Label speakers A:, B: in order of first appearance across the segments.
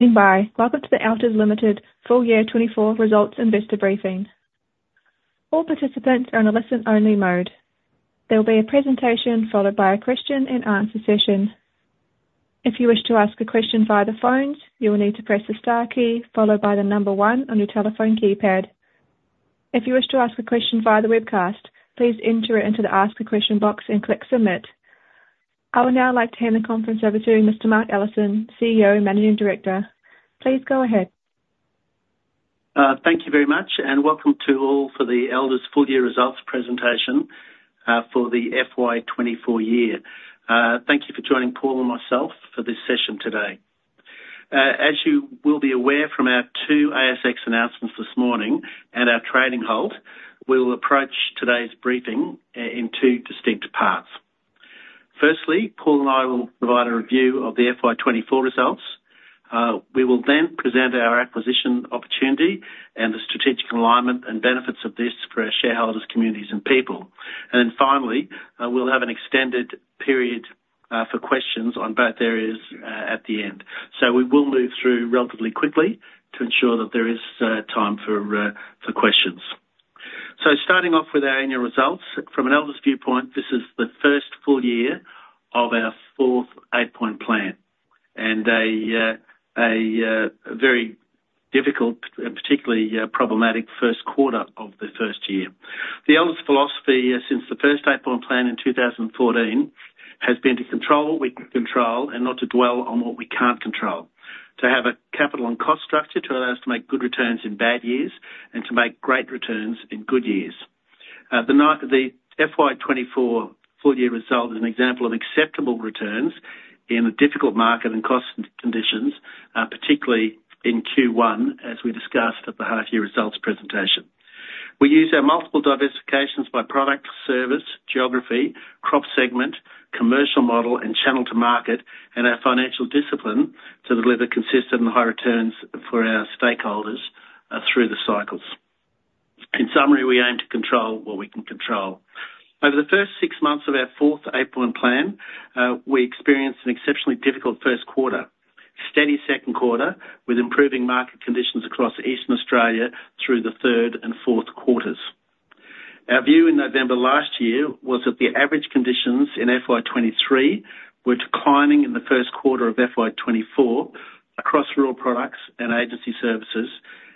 A: Goodbye. Welcome to the Elders Limited Full Year 24 Results Investor Briefing. All participants are in a listen-only mode. There will be a presentation followed by a question-and-answer session. If you wish to ask a question via the phones, you will need to press the star key followed by the number one on your telephone keypad. If you wish to ask a question via the webcast, please enter it into the ask a question box and click submit. I would now like to hand the conference over to Mr. Mark Allison, CEO and Managing Director. Please go ahead.
B: Thank you very much, and welcome to all for the Elders Full Year Results Presentation for the FY24 year. Thank you for joining Paul and myself for this session today. As you will be aware from our two ASX announcements this morning and our trading halt, we will approach today's briefing in two distinct parts. Firstly, Paul and I will provide a review of the FY24 results. We will then present our acquisition opportunity and the strategic alignment and benefits of this for our shareholders, communities, and people. And then finally, we'll have an extended period for questions on both areas at the end. So we will move through relatively quickly to ensure that there is time for questions. So starting off with our annual results, from an Elders viewpoint, this is the first full year of our fourth Eight Point Plan and a very difficult and particularly problematic first quarter of the first year. The Elders philosophy since the first Eight Point Plan in 2014 has been to control what we can control and not to dwell on what we can't control, to have a capital and cost structure to allow us to make good returns in bad years and to make great returns in good years. The FY24 full year result is an example of acceptable returns in a difficult market and cost conditions, particularly in Q1, as we discussed at the half-year results presentation. We use our multiple diversifications by product, service, geography, crop segment, commercial model, and channel to market and our financial discipline to deliver consistent and high returns for our stakeholders through the cycles. In summary, we aim to control what we can control. Over the first six months of our fourth Eight Point Plan, we experienced an exceptionally difficult first quarter, steady second quarter with improving market conditions across Eastern Australia through the third and fourth quarters. Our view in November last year was that the average conditions in FY23 were declining in the first quarter of FY24 across rural products and agency services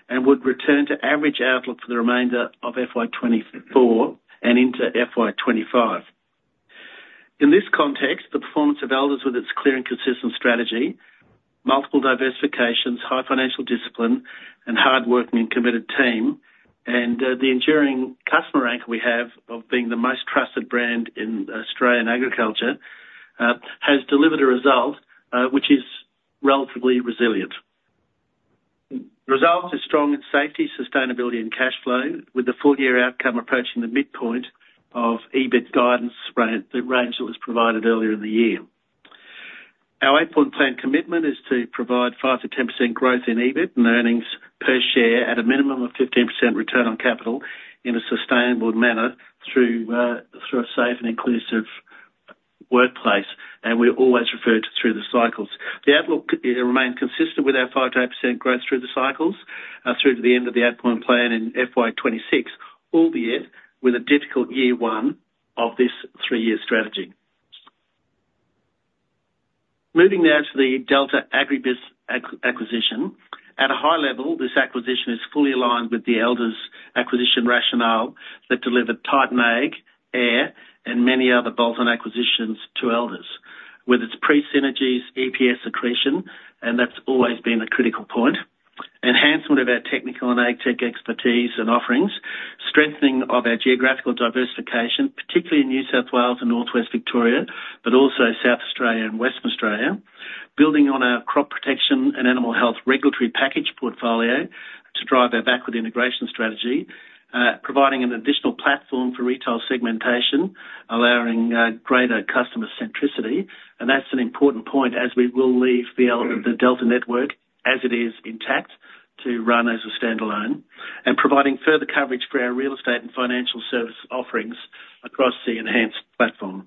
B: and would return to average outlook for the remainder of FY24 and into FY25. In this context, the performance of Elders with its clear and consistent strategy, multiple diversifications, high financial discipline, and hardworking and committed team, and the enduring customer anchor we have of being the most trusted brand in Australian agriculture has delivered a result which is relatively resilient. The result is strong in safety, sustainability, and cash flow, with the full year outcome approaching the midpoint of EBIT guidance range that was provided earlier in the year. Our Eight Point Plan commitment is to provide 5%-10% growth in EBIT and earnings per share at a minimum of 15% return on capital in a sustainable manner through a safe and inclusive workplace, and we always refer to through the cycles. The outlook remains consistent with our 5%-8% growth through the cycles through to the end of the Eight Point Plan in FY26, albeit with a difficult year one of this three-year strategy. Moving now to the Delta Agribiz acquisition. At a high level, this acquisition is fully aligned with the Elders acquisition rationale that delivered Titan Ag, AIRR, and many other bolt-on acquisitions to Elders with its pre-synergies, EPS accretion, and that's always been a critical point, enhancement of our technical and agtech expertise and offerings, strengthening of our geographical diversification, particularly in New South Wales and Northwest Victoria, but also South Australia and Western Australia, building on our crop protection and animal health regulatory package portfolio to drive our backward integration strategy, providing an additional platform for retail segmentation, allowing greater customer centricity. And that's an important point as we will leave the Delta network as it is intact to run as a standalone and providing further coverage for our real estate and financial service offerings across the enhanced platform.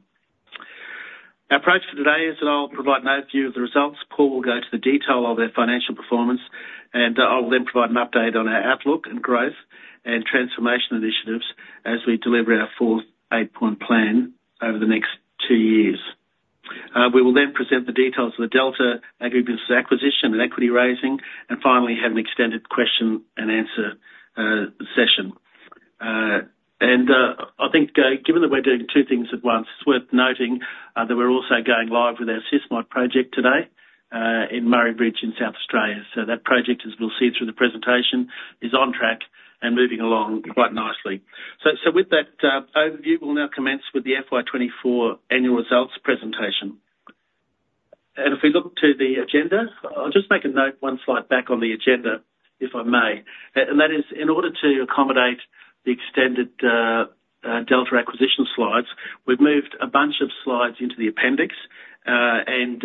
B: Our approach for today is that I'll provide an overview of the results. Paul will go to the detail of their financial performance, and I will then provide an update on our outlook and growth and transformation initiatives as we deliver our fourth Eight Point Plan over the next two years. We will then present the details of the Delta Agribiz acquisition and equity raising, and finally have an extended question and answer session. And I think given that we're doing two things at once, it's worth noting that we're also going live with our SysMod project today in Murray Bridge in South Australia. That project, as we'll see through the presentation, is on track and moving along quite nicely. With that overview, we'll now commence with the FY24 annual results presentation. If we look to the agenda, I'll just make a note one slide back on the agenda, if I may. That is in order to accommodate the extended Delta acquisition slides, we've moved a bunch of slides into the appendix, and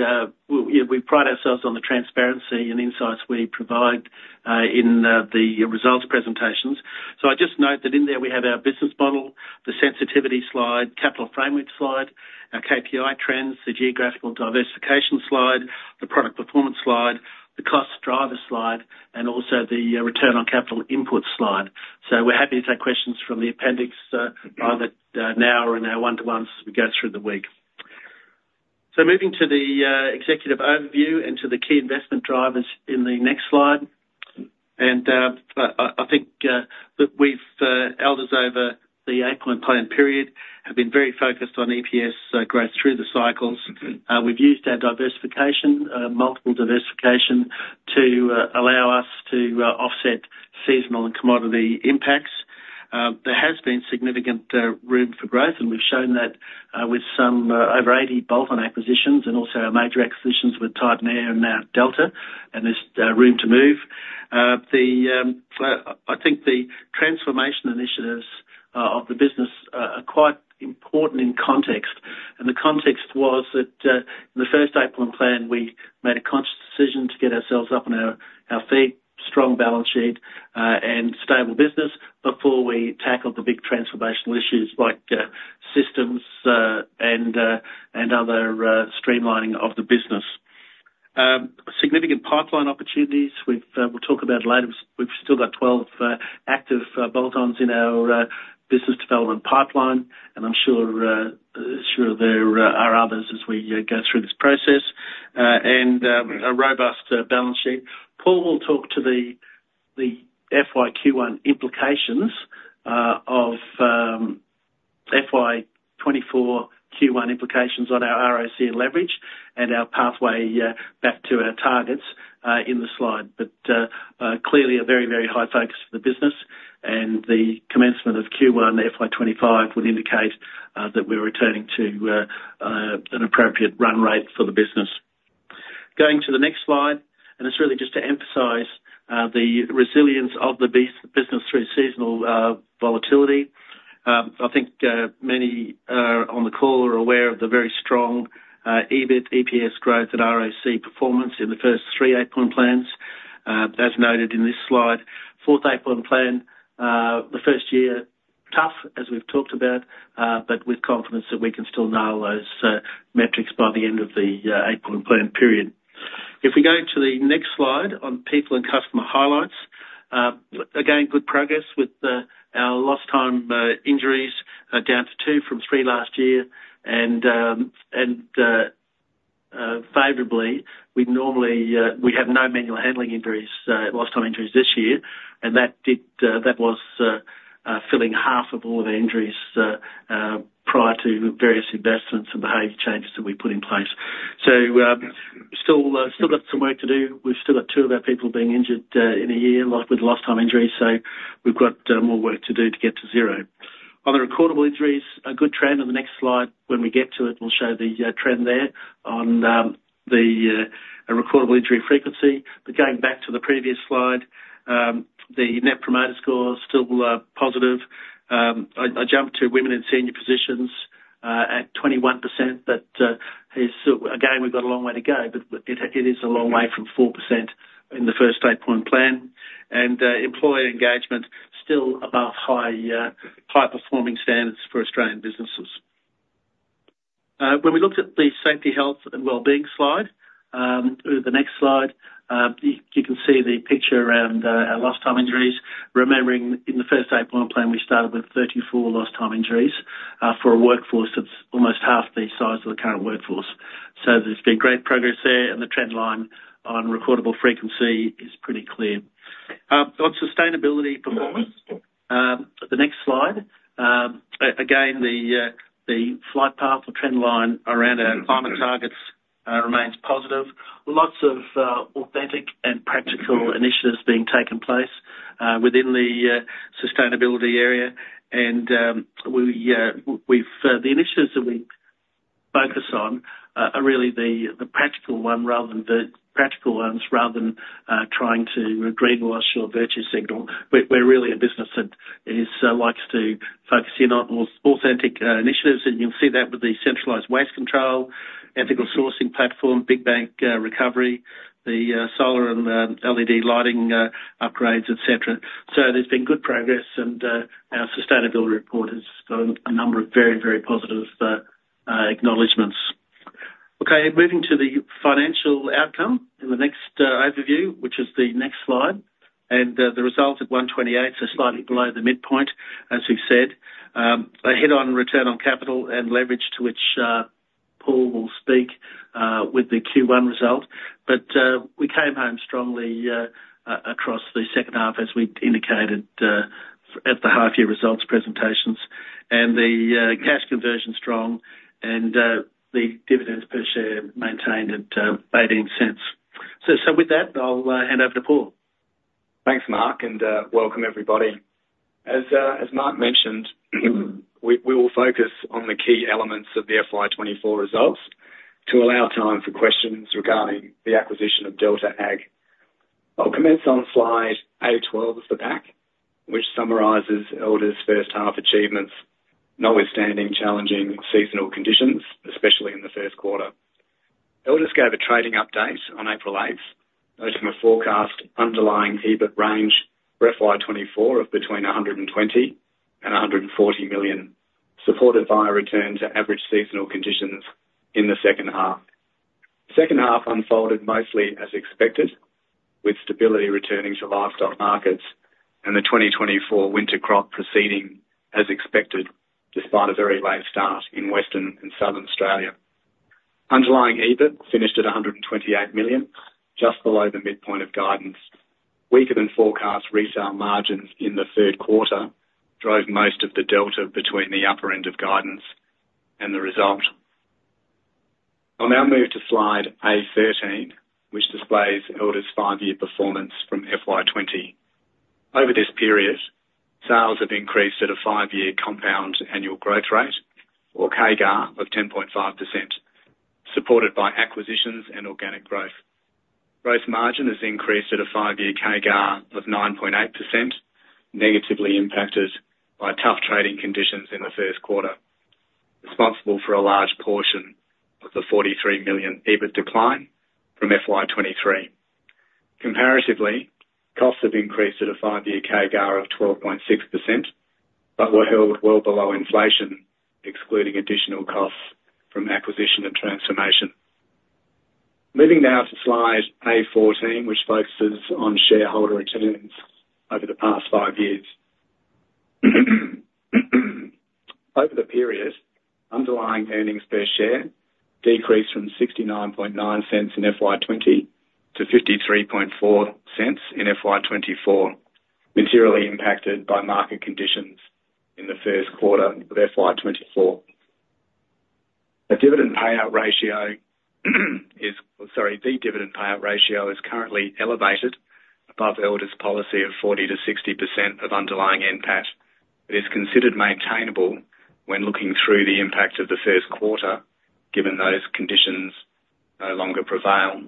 B: we pride ourselves on the transparency and insights we provide in the results presentations. I just note that in there we have our business model, the sensitivity slide, Capital Framework slide, our KPI trends, the geographical diversification slide, the product performance slide, the cost driver slide, and also the return on capital input slide. We're happy to take questions from the appendix either now or in our one-to-ones as we go through the week. Moving to the executive overview and to the key investment drivers in the next slide. I think that we've Elders over the Eight Point Plan period have been very focused on EPS growth through the cycles. We've used our diversification, multiple diversification, to allow us to offset seasonal and commodity impacts. There has been significant room for growth, and we've shown that with some over 80 bolt-on acquisitions and also our major acquisitions with Titan Ag and now Delta, and there's room to move. I think the transformation initiatives of the business are quite important in context. The context was that in the first Eight Point Plan, we made a conscious decision to get ourselves up on our feet, strong balance sheet, and stable business before we tackled the big transformational issues like systems and other streamlining of the business. Significant pipeline opportunities we'll talk about later. We've still got 12 active bolt-ons in our business development pipeline, and I'm sure there are others as we go through this process and a robust balance sheet. Paul will talk to the FY '24 Q1 implications on our ROC leverage and our pathway back to our targets in the slide. But clearly, a very, very high focus for the business, and the commencement of Q1 FY25 would indicate that we're returning to an appropriate run rate for the business. Going to the next slide, and it's really just to emphasize the resilience of the business through seasonal volatility. I think many on the call are aware of the very strong EBIT, EPS growth and ROC performance in the first three Eight Point Plans, as noted in this slide. Fourth Eight Point Plan, the first year tough, as we've talked about, but with confidence that we can still nail those metrics by the end of the Eight Point Plan period. If we go to the next slide on people and customer highlights, again, good progress with our Lost Time Injuries down to two from three last year. And favorably, we normally have no manual handling injuries, Lost Time Injuries this year, and that was half of all the injuries prior to various investments and behavior changes that we put in place. So still got some work to do. We've still got two of our people being injured in a year with Lost Time Injuries, so we've got more work to do to get to zero. On the recordable injuries, a good trend on the next slide. When we get to it, we'll show the trend there on the recordable injury frequency. But going back to the previous slide, the Net Promoter Score is still positive. I jumped to women in senior positions at 21%, but again, we've got a long way to go, but it is a long way from 4% in the first Eight Point Plan, and employer engagement is still above high performing standards for Australian businesses. When we looked at the safety, health, and wellbeing slide, the next slide, you can see the picture around our lost time injuries. Remembering, in the first Eight Point Plan, we started with 34 lost time injuries for a workforce that's almost half the size of the current workforce. So there's been great progress there, and the trend line on recordable frequency is pretty clear. On sustainability performance, the next slide, again, the flight path or trend line around our climate targets remains positive. Lots of authentic and practical initiatives are being taken place within the sustainability area. And the initiatives that we focus on are really the practical one rather than trying to greenwash or virtue signal. We're really a business that likes to focus in on authentic initiatives, and you'll see that with the centralized waste control, ethical sourcing platform, biodiversity recovery, the solar and LED lighting upgrades, etc. So there's been good progress, and our sustainability report has got a number of very, very positive acknowledgments. Okay, moving to the financial outcome in the next overview, which is the next slide. And the results at 128 are slightly below the midpoint, as we've said. A head-on return on capital and leverage, to which Paul will speak with the Q1 result. But we came home strongly across the second half, as we indicated at the half-year results presentations, and the cash conversion was strong, and the dividend per share maintained at 0.18. So with that, I'll hand over to Paul.
C: Thanks, Mark, and welcome everybody. As Mark mentioned, we will focus on the key elements of the FY24 results to allow time for questions regarding the acquisition of Delta Ag. I'll commence on slide A12 of the pack, which summarizes Elders' first half achievements, notwithstanding challenging seasonal conditions, especially in the first quarter. Elders gave a trading update on April 8th, noting a forecast underlying EBIT range for FY24 of between 120 million and 140 million, supported by a return to average seasonal conditions in the second half. The second half unfolded mostly as expected, with stability returning to livestock markets and the 2024 winter crop proceeding as expected, despite a very late start in Western and Southern Australia. Underlying EBIT finished at 128 million, just below the midpoint of guidance. Weaker than forecast retail margins in the third quarter drove most of the delta between the upper end of guidance and the result. I'll now move to slide A13, which displays Elders' five-year performance from FY20. Over this period, sales have increased at a five-year compound annual growth rate, or CAGR, of 10.5%, supported by acquisitions and organic growth. Gross margin has increased at a five-year CAGR of 9.8%, negatively impacted by tough trading conditions in the first quarter, responsible for a large portion of the 43 million EBIT decline from FY23. Comparatively, costs have increased at a five-year CAGR of 12.6%, but were held well below inflation, excluding additional costs from acquisition and transformation. Moving now to slide A14, which focuses on shareholder returns over the past five years. Over the period, underlying earnings per share decreased from 0.699 in FY20 to 0.534 in FY24, materially impacted by market conditions in the first quarter of FY24. The dividend payout ratio is, sorry, the dividend payout ratio is currently elevated above Elders' policy of 40%-60% of underlying NPAT. It is considered maintainable when looking through the impact of the first quarter, given those conditions no longer prevail.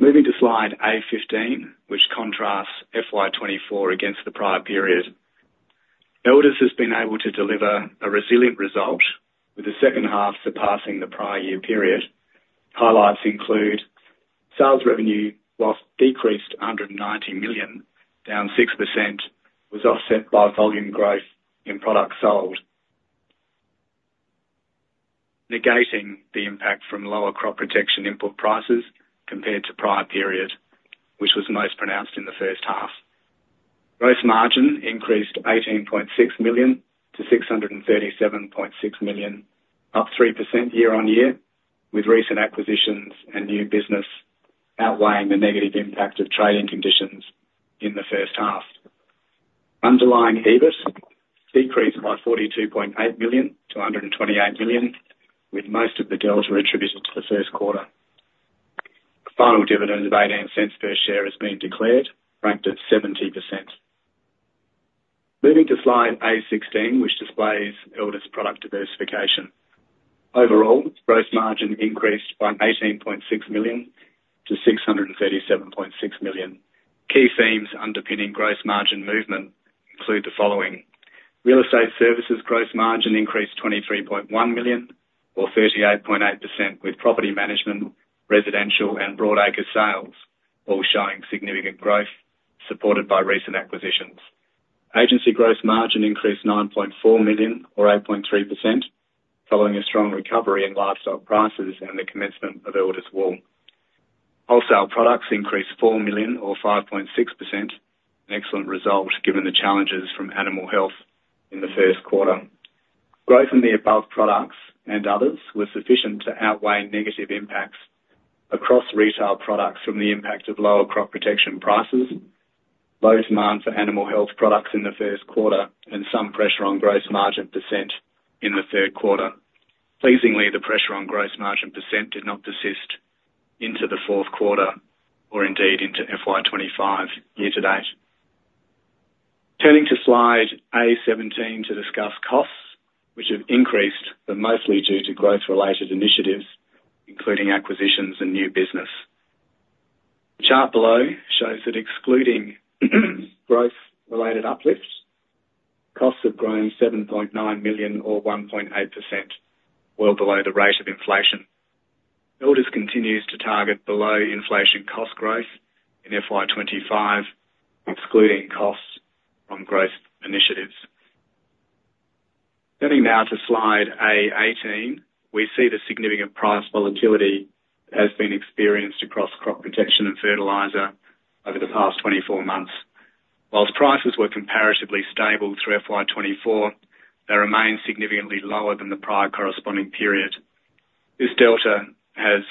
C: Moving to slide A15, which contrasts FY24 against the prior period. Elders has been able to deliver a resilient result, with the second half surpassing the prior year period. Highlights include sales revenue, while decreased under 90 million, down 6%, was offset by volume growth in product sold, negating the impact from lower crop protection input prices compared to prior period, which was most pronounced in the first half. Gross margin increased 18.6 million to 637.6 million, up 3% year on year, with recent acquisitions and new business outweighing the negative impact of trading conditions in the first half. Underlying EBIT decreased by 42.8 million to 128 million, with most of the delta attributed to the first quarter. Final dividend of 0.18 per share has been declared, franked at 70%. Moving to slide A16, which displays Elders' product diversification. Overall, gross margin increased by 18.6 million to 637.6 million. Key themes underpinning gross margin movement include the following: real estate services gross margin increased 23.1 million, or 38.8%, with property management, residential, and broadacre sales, all showing significant growth, supported by recent acquisitions. Agency gross margin increased 9.4 million, or 8.3%, following a strong recovery in livestock prices and the commencement of Elders Wool. Wholesale products increased four million, or 5.6%, an excellent result given the challenges from animal health in the first quarter. Growth in the above products and others was sufficient to outweigh negative impacts across retail products from the impact of lower crop protection prices, low demand for animal health products in the first quarter, and some pressure on gross margin percent in the third quarter. Pleasingly, the pressure on gross margin percent did not persist into the fourth quarter, or indeed into FY25 year to date. Turning to slide A17 to discuss costs, which have increased, but mostly due to growth-related initiatives, including acquisitions and new business. The chart below shows that excluding growth-related uplifts, costs have grown 7.9 million, or 1.8%, well below the rate of inflation. Elders continues to target below inflation cost growth in FY25, excluding costs from growth initiatives. Turning now to slide A18, we see the significant price volatility that has been experienced across crop protection and fertilizer over the past 24 months. While prices were comparatively stable through FY24, they remain significantly lower than the prior corresponding period. This delta has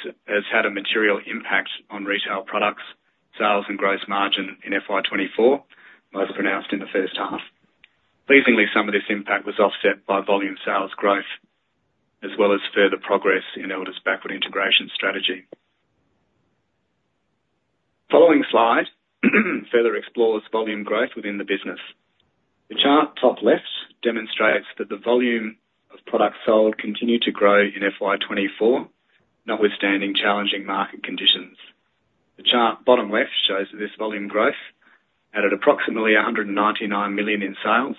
C: had a material impact on retail products, sales, and gross margin in FY24, most pronounced in the first half. Pleasingly, some of this impact was offset by volume sales growth, as well as further progress in Elders' backward integration strategy. Following slide further explores volume growth within the business. The chart top left demonstrates that the volume of products sold continued to grow in FY24, notwithstanding challenging market conditions. The chart bottom left shows that this volume growth added approximately 199 million in sales,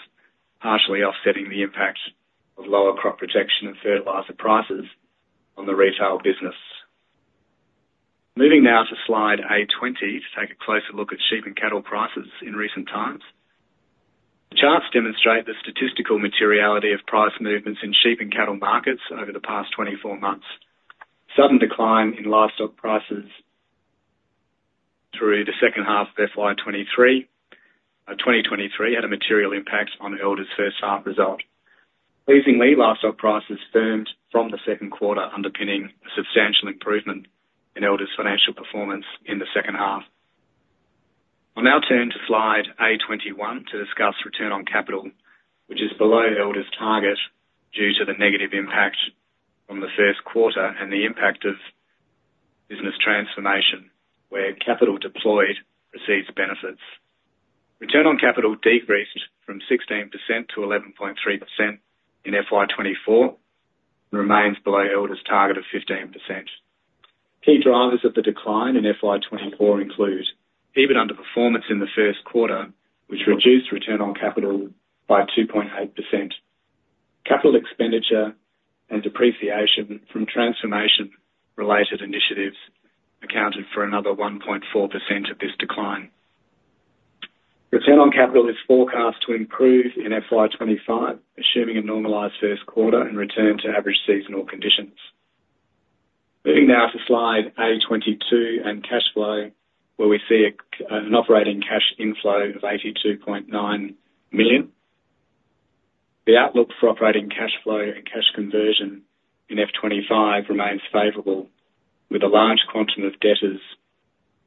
C: partially offsetting the impact of lower crop protection and fertilizer prices on the retail business. Moving now to slide A20 to take a closer look at sheep and cattle prices in recent times. The charts demonstrate the statistical materiality of price movements in sheep and cattle markets over the past 24 months. Sudden decline in livestock prices through the second half of FY23 had a material impact on Elders' first half result. Pleasingly, livestock prices firmed from the second quarter, underpinning a substantial improvement in Elders' financial performance in the second half. I'll now turn to slide A21 to discuss return on capital, which is below Elders' target due to the negative impact from the first quarter and the impact of business transformation, where capital deployed precedes benefits. Return on capital decreased from 16% to 11.3% in FY24 and remains below Elders' target of 15%. Key drivers of the decline in FY24 include EBIT underperformance in the first quarter, which reduced return on capital by 2.8%. Capital expenditure and depreciation from transformation-related initiatives accounted for another 1.4% of this decline. Return on capital is forecast to improve in FY25, assuming a normalized first quarter and return to average seasonal conditions. Moving now to slide A22 and cash flow, where we see an operating cash inflow of 82.9 million. The outlook for operating cash flow and cash conversion in FY25 remains favorable, with a large quantum of debtors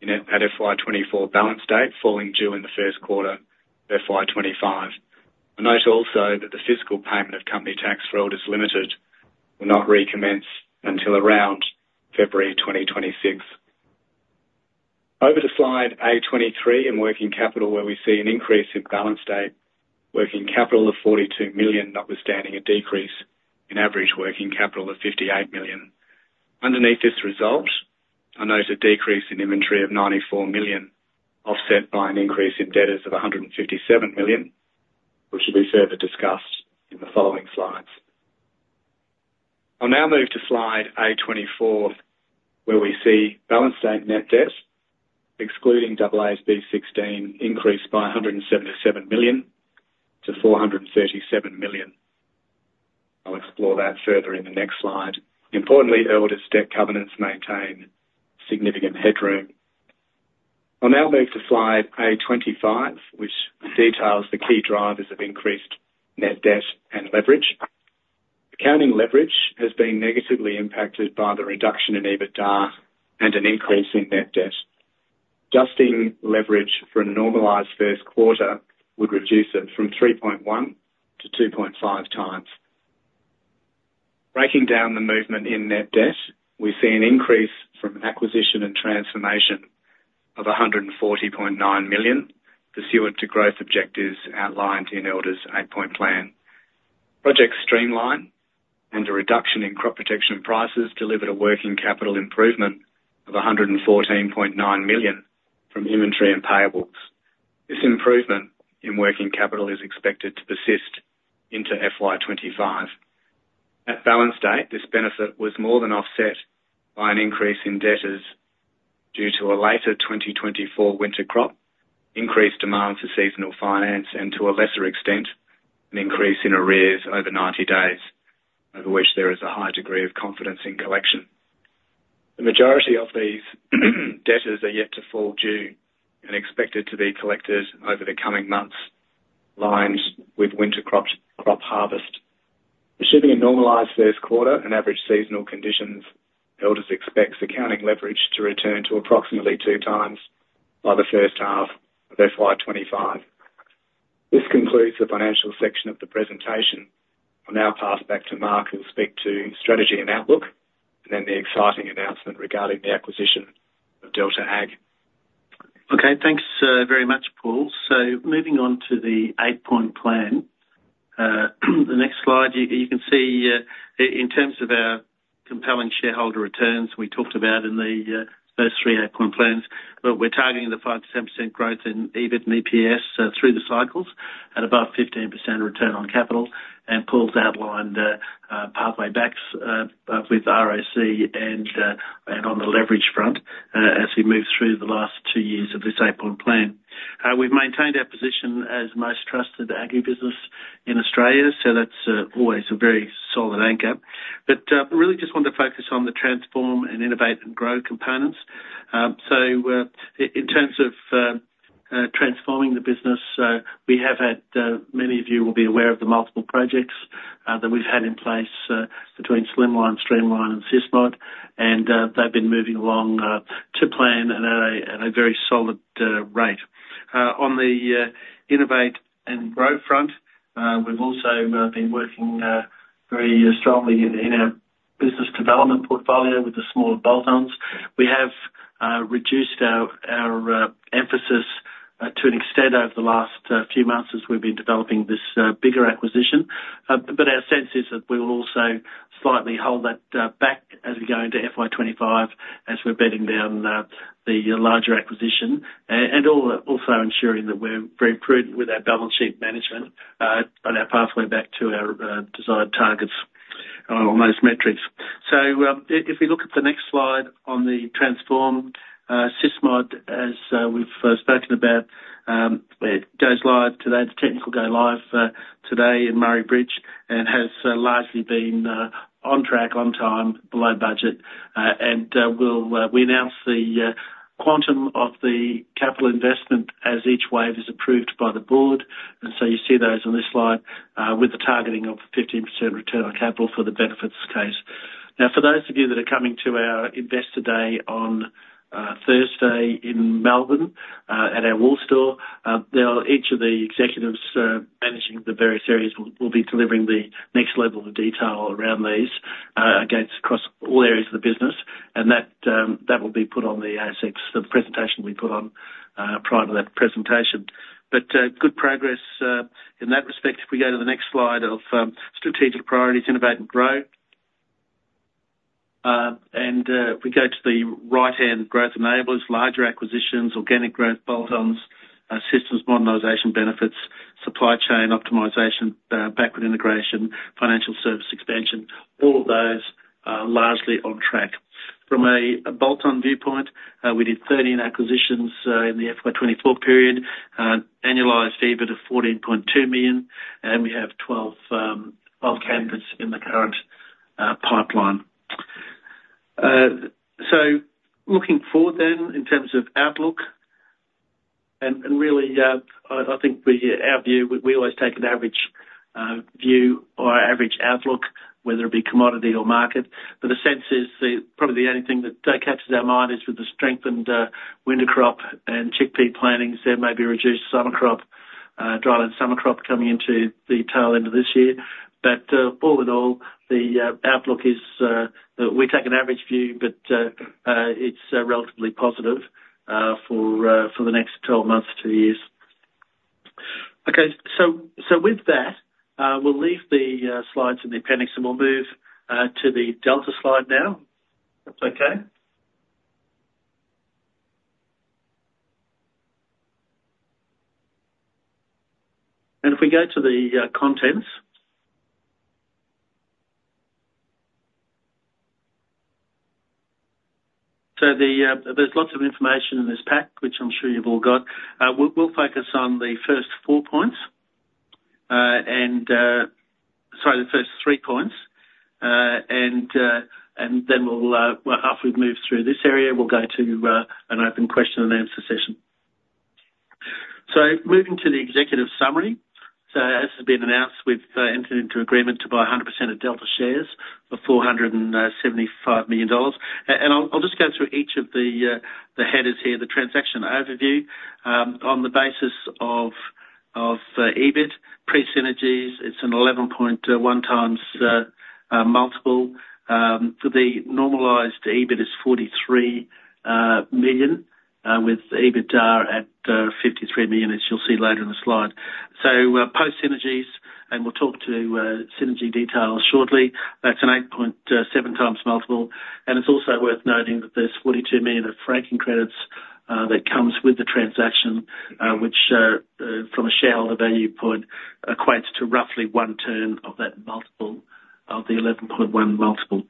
C: at FY24 balance date falling due in the first quarter of FY25. I note also that the fiscal payment of company tax for Elders Limited will not recommence until around February 2026. Over to slide A23 and working capital, where we see an increase in balance date working capital of 42 million, notwithstanding a decrease in average working capital of 58 million. Underneath this result, I note a decrease in inventory of 94 million, offset by an increase in debtors of 157 million, which will be further discussed in the following slides. I'll now move to slide A24, where we see balance date net debt, excluding AASB 16, increased by 177 million to 437 million. I'll explore that further in the next slide. Importantly, Elders' debt covenants maintain significant headroom. I'll now move to slide A25, which details the key drivers of increased net debt and leverage. Accounting leverage has been negatively impacted by the reduction in EBITDA and an increase in net debt. Adjusting leverage for a normalised first quarter would reduce it from 3.1 to 2.5 times. Breaking down the movement in net debt, we see an increase from acquisition and transformation of 140.9 million, pursuant to growth objectives outlined in Elders' Eight Point Plan. Project Streamline and a reduction in crop protection prices delivered a working capital improvement of 114.9 million from inventory and payables. This improvement in working capital is expected to persist into FY25. At balance date, this benefit was more than offset by an increase in debtors due to a later 2024 winter crop, increased demand for seasonal finance, and to a lesser extent, an increase in arrears over 90 days, over which there is a high degree of confidence in collection. The majority of these debtors are yet to fall due and expected to be collected over the coming months, aligned with winter crop harvest. Assuming a normalized first quarter and average seasonal conditions, Elders expects accounting leverage to return to approximately two times by the first half of FY25. This concludes the financial section of the presentation. I'll now pass back to Mark who will speak to strategy and outlook, and then the exciting announcement regarding the acquisition of Delta Ag.
B: Okay, thanks very much, Paul. So moving on to the Eight Point Plan. The next slide, you can see in terms of our compelling shareholder returns we talked about in the first three eight-point plans, we're targeting the 5%-10% growth in EBIT and EPS through the cycles at above 15% return on capital, and Paul's outlined the pathway back with ROC and on the leverage front as we move through the last two years of this eight-point plan. We've maintained our position as the most trusted agribusiness in Australia, so that's always a very solid anchor. But really just want to focus on the transform and innovate and grow components. So in terms of transforming the business, we have had many of you will be aware of the multiple projects that we've had in place between Streamline, Streamline, and SysMod, and they've been moving along to plan at a very solid rate. On the innovate and grow front, we've also been working very strongly in our business development portfolio with the smaller bolt-ons. We have reduced our emphasis to an extent over the last few months as we've been developing this bigger acquisition, but our sense is that we will also slightly hold that back as we go into FY25, as we're bedding down the larger acquisition and also ensuring that we're very prudent with our balance sheet management on our pathway back to our desired targets on those metrics. If we look at the next slide on the transform, SysMod, as we've spoken about, it goes live today. The technical go-live today in Murray Bridge and has largely been on track, on time, below budget. We announced the quantum of the capital investment as each wave is approved by the board. And so you see those on this slide with the targeting of 15% return on capital for the benefits case. Now, for those of you that are coming to our investor day on Thursday in Melbourne at our Woolstore, each of the executives managing the various areas will be delivering the next level of detail around these across all areas of the business, and that will be put on the ASX, the presentation we put on prior to that presentation. But good progress in that respect. If we go to the next slide of strategic priorities, innovate and grow. And if we go to the right-hand, growth enablers, larger acquisitions, organic growth, bolt-ons, systems modernization benefits, supply chain optimization, backward integration, financial service expansion, all of those largely on track. From a bolt-on viewpoint, we did 13 acquisitions in the FY24 period, annualized EBIT of 14.2 million, and we have 12 candidates in the current pipeline. So looking forward then in terms of outlook, and really I think our view, we always take an average view or average outlook, whether it be commodity or market, but the sense is probably the only thing that catches our mind is with the strengthened winter crop and chickpea plantings, there may be reduced summer crop, dryland summer crop coming into the tail end of this year. But all in all, the outlook is we take an average view, but it's relatively positive for the next 12 months to years. Okay, so with that, we'll leave the slides and the appendix, and we'll move to the Delta slide now. That's okay. And if we go to the contents, so there's lots of information in this pack, which I'm sure you've all got. We'll focus on the first four points and sorry, the first three points, and then we'll, after we've moved through this area, we'll go to an open question and answer session. So moving to the executive summary, so as has been announced, we've entered into agreement to buy 100% of Delta shares for 475 million dollars. And I'll just go through each of the headers here, the transaction overview on the basis of EBIT, pre-synergies, it's an 11.1 times multiple. The normalized EBIT is 43 million with EBITDA at 53 million, as you'll see later in the slide. So post-synergies, and we'll talk to synergy details shortly, that's an 8.7 times multiple. It's also worth noting that there's 42 million of franking credits that comes with the transaction, which from a shareholder value point equates to roughly one turn of that multiple of the 11.1 multiple.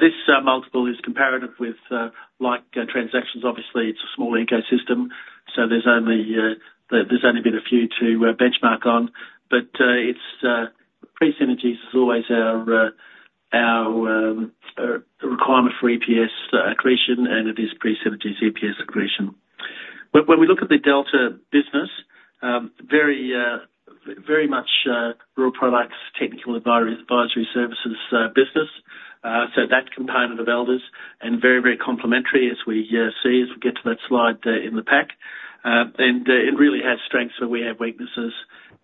B: This multiple is comparative with like transactions. Obviously, it's a small ecosystem, so there's only been a few to benchmark on, but pre-synergies is always our requirement for EPS accretion, and it is pre-synergies EPS accretion. When we look at the Delta business, very much raw products, technical advisory services business, so that component of Elders, and very, very complementary as we see as we get to that slide in the pack. It really has strengths where we have weaknesses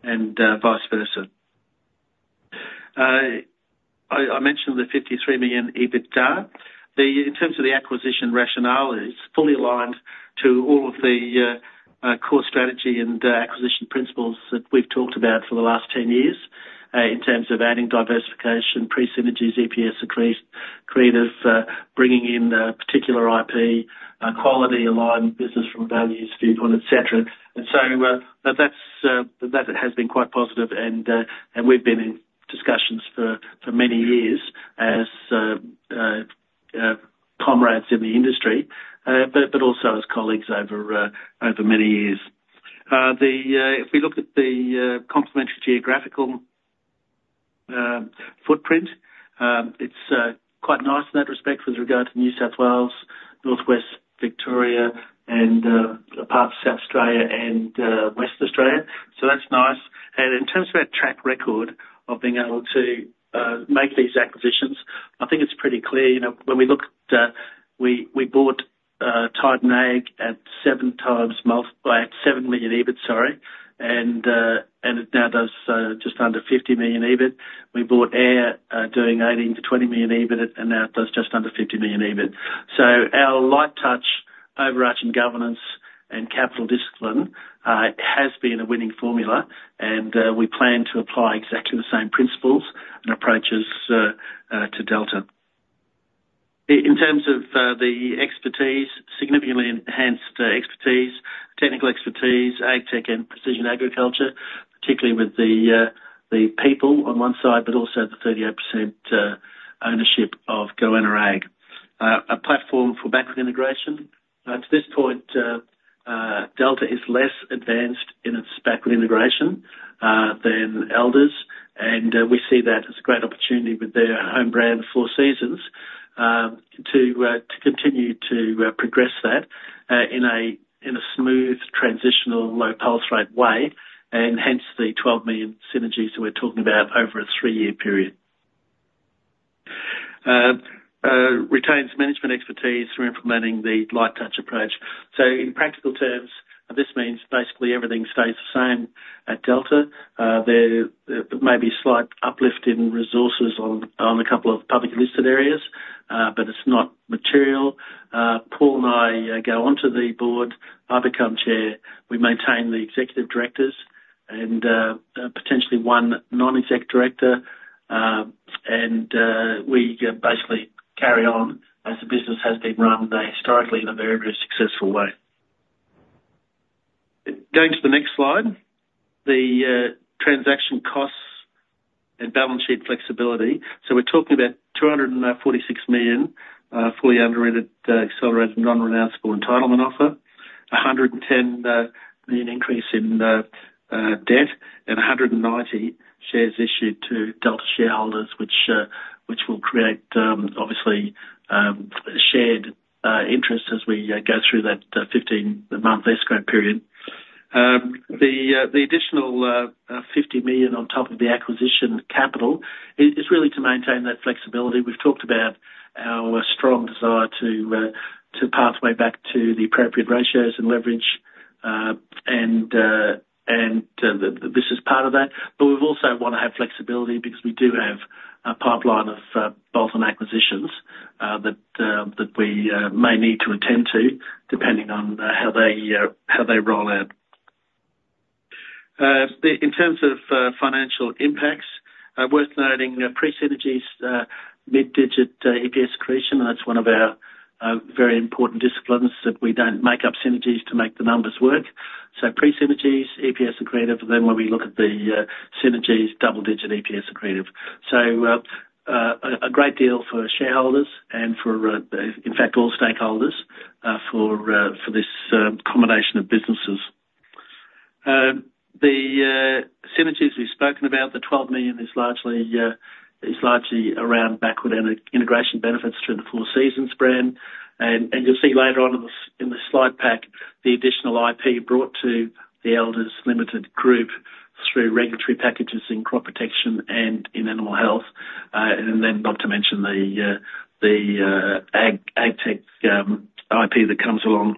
B: and vice versa. I mentioned the 53 million EBITDA. In terms of the acquisition rationale, it's fully aligned to all of the core strategy and acquisition principles that we've talked about for the last 10 years in terms of adding diversification, pre-synergies, EPS accretive, bringing in particular IP, quality aligned business from values viewpoint, etc., and so that has been quite positive, and we've been in discussions for many years as comrades in the industry, but also as colleagues over many years. If we look at the complementary geographical footprint, it's quite nice in that respect with regard to New South Wales, Northwest Victoria, and parts of South Australia and Western Australia, so that's nice, and in terms of our track record of being able to make these acquisitions, I think it's pretty clear. When we looked, we bought Titan Ag at seven million EBIT, sorry, and it now does just under 50 million EBIT. We bought AIRR doing 18-20 million EBIT, and now it does just under 50 million EBIT. So our light touch overarching governance and capital discipline has been a winning formula, and we plan to apply exactly the same principles and approaches to Delta. In terms of the expertise, significantly enhanced expertise, technical expertise, ag tech and precision agriculture, particularly with the people on one side, but also the 38% ownership of Goanna Ag, a platform for backward integration. To this point, Delta is less advanced in its backward integration than Elders, and we see that as a great opportunity with their home brand, 4Farmers, to continue to progress that in a smooth transitional low pulse rate way, and hence the 12 million synergies that we're talking about over a three-year period. Retains management expertise through implementing the light touch approach. So in practical terms, this means basically everything stays the same at Delta. There may be a slight uplift in resources on a couple of public listed areas, but it's not material. Paul and I go on to the board. I become chair. We maintain the executive directors and potentially one non-exec director, and we basically carry on as the business has been run historically in a very, very successful way. Going to the next slide, the transaction costs and balance sheet flexibility. So we're talking about 246 million fully underwritten, accelerated, non-renounceable entitlement offer, 110 million increase in debt, and 190 shares issued to Delta shareholders, which will create obviously shared interest as we go through that 15-month escrow period. The additional 50 million on top of the acquisition capital is really to maintain that flexibility. We've talked about our strong desire to pathway back to the appropriate ratios and leverage, and this is part of that. But we also want to have flexibility because we do have a pipeline of bolt-on acquisitions that we may need to attend to depending on how they roll out. In terms of financial impacts, worth noting pre-synergies, mid-single-digit EPS accretion, that's one of our very important disciplines that we don't make up synergies to make the numbers work. So pre-synergies, EPS accretive, and then when we look at the synergies, double-digit EPS accretive. So a great deal for shareholders and for, in fact, all stakeholders for this combination of businesses. The synergies we've spoken about, the 12 million is largely around backward integration benefits through the 4Farmers brand. You'll see later on in the slide pack, the additional IP brought to the Elders Limited Group through regulatory packages in crop protection and in animal health, and then not to mention the ag tech IP that comes along.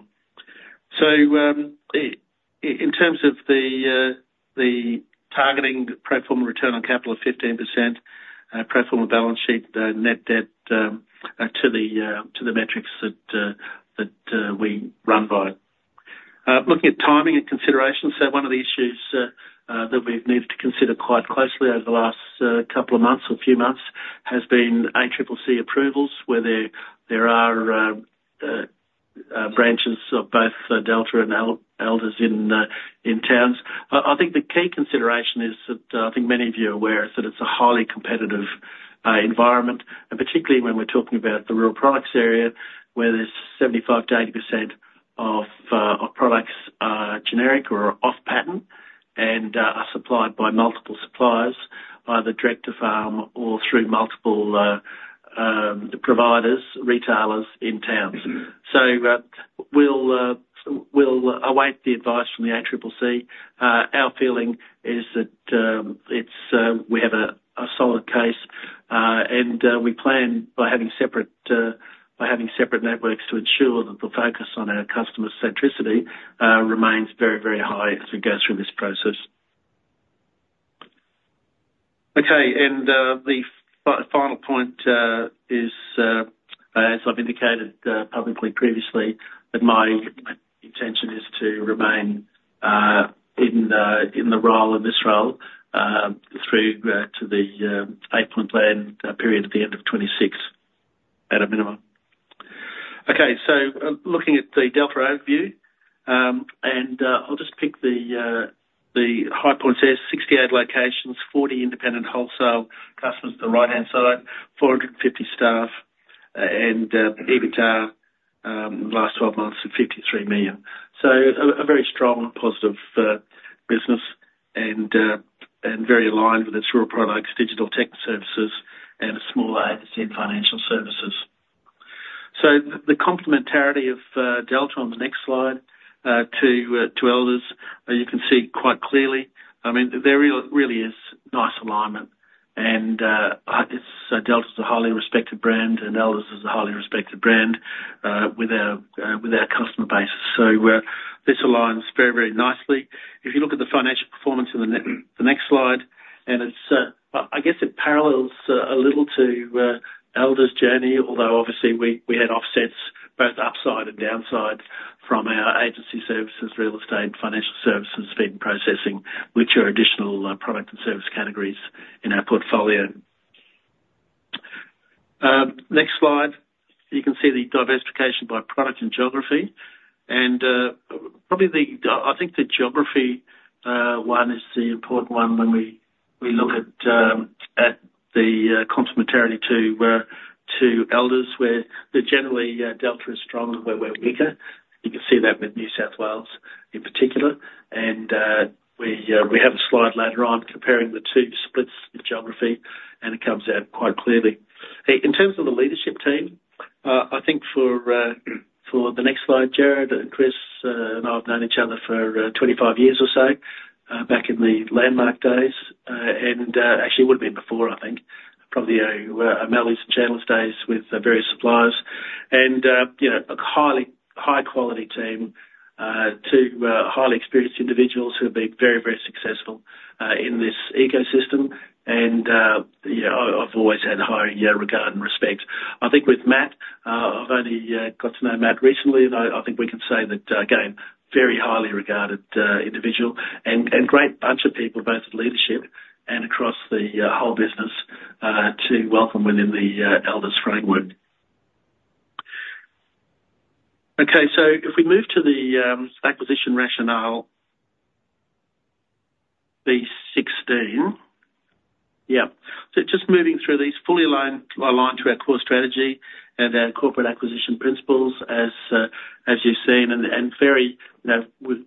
B: In terms of the targeting pro forma return on capital of 15%, pro forma balance sheet, net debt to the metrics that we run by. Looking at timing and considerations, one of the issues that we've needed to consider quite closely over the last couple of months or few months has been ACCC approvals where there are branches of both Delta and Elders in towns. I think the key consideration is that I think many of you are aware that it's a highly competitive environment, and particularly when we're talking about the raw products area where there's 75%-80% of products are generic or off-patent and are supplied by multiple suppliers, either direct to farm or through multiple providers, retailers in towns. So we'll await the advice from the ACCC. Our feeling is that we have a solid case, and we plan by having separate networks to ensure that the focus on our customer centricity remains very, very high as we go through this process. Okay, and the final point is, as I've indicated publicly previously, that my intention is to remain in the role of this role through to the 8-point plan period at the end of 2026 at a minimum. Okay, so looking at the Delta overview, and I'll just pick the high points here, 68 locations, 40 independent wholesale customers at the right-hand side, 450 staff, and EBITDA in the last 12 months of 53 million. So a very strong positive business and very aligned with its raw products, digital tech services, and a small 8% financial services. So the complementarity of Delta on the next slide to Elders, you can see quite clearly. I mean, there really is nice alignment, and Delta is a highly respected brand, and Elders is a highly respected brand with our customer base. So this aligns very, very nicely. If you look at the financial performance in the next slide, and I guess it parallels a little to Elders' journey, although obviously we had offsets both upside and downside from our agency services, real estate, financial services, feed processing, which are additional product and service categories in our portfolio. Next slide. You can see the diversification by product and geography, and probably I think the geography one is the important one when we look at the complementarity to Elders, where generally Delta is strong and where we're weaker. You can see that with New South Wales in particular, and we have a slide later on comparing the two splits in geography, and it comes out quite clearly. In terms of the leadership team, I think for the next slide, Gerard and Chris and I have known each other for 25 years or so back in the landmark days, and actually would have been before, I think, probably our Elders and channels days with various suppliers. A high-quality team of highly experienced individuals who have been very, very successful in this ecosystem. I've always had high regard and respect. I think with Matt, I've only got to know Matt recently, and I think we can say that, again, very highly regarded individual and great bunch of people both at leadership and across the whole business to welcome within the Elders framework. Okay, so if we move to the acquisition rationale B16, yeah. Just moving through these, fully aligned to our core strategy and our corporate acquisition principles, as you've seen.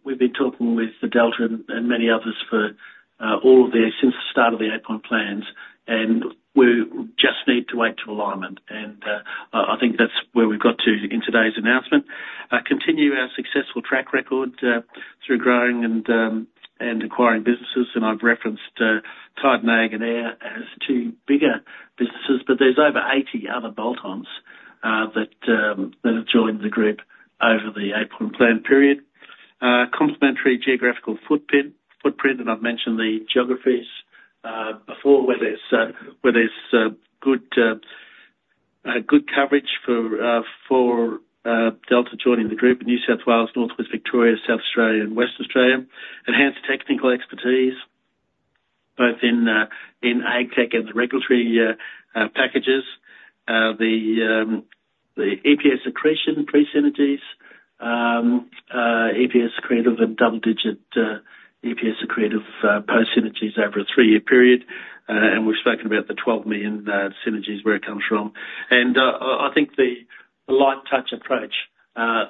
B: We've been talking with Delta and many others for all of this since the start of the 8-point plan, and we just needed to wait for alignment. I think that's where we've got to in today's announcement. Continue our successful track record through growing and acquiring businesses. I've referenced Titan Ag and AIRR as two bigger businesses, but there's over 80 other bolt-ons that have joined the group over the 8-point plan period. Complementary geographical footprint, and I've mentioned the geographies before where there's good coverage for Delta joining the group in New South Wales, Northwest Victoria, South Australia, and Western Australia. Enhanced technical expertise both in ag tech and the regulatory packages. The EPS accretion, pre-synergies, EPS accretive and double-digit EPS accretive post-synergies over a three-year period, and we've spoken about the 12 million synergies where it comes from, and I think the light touch approach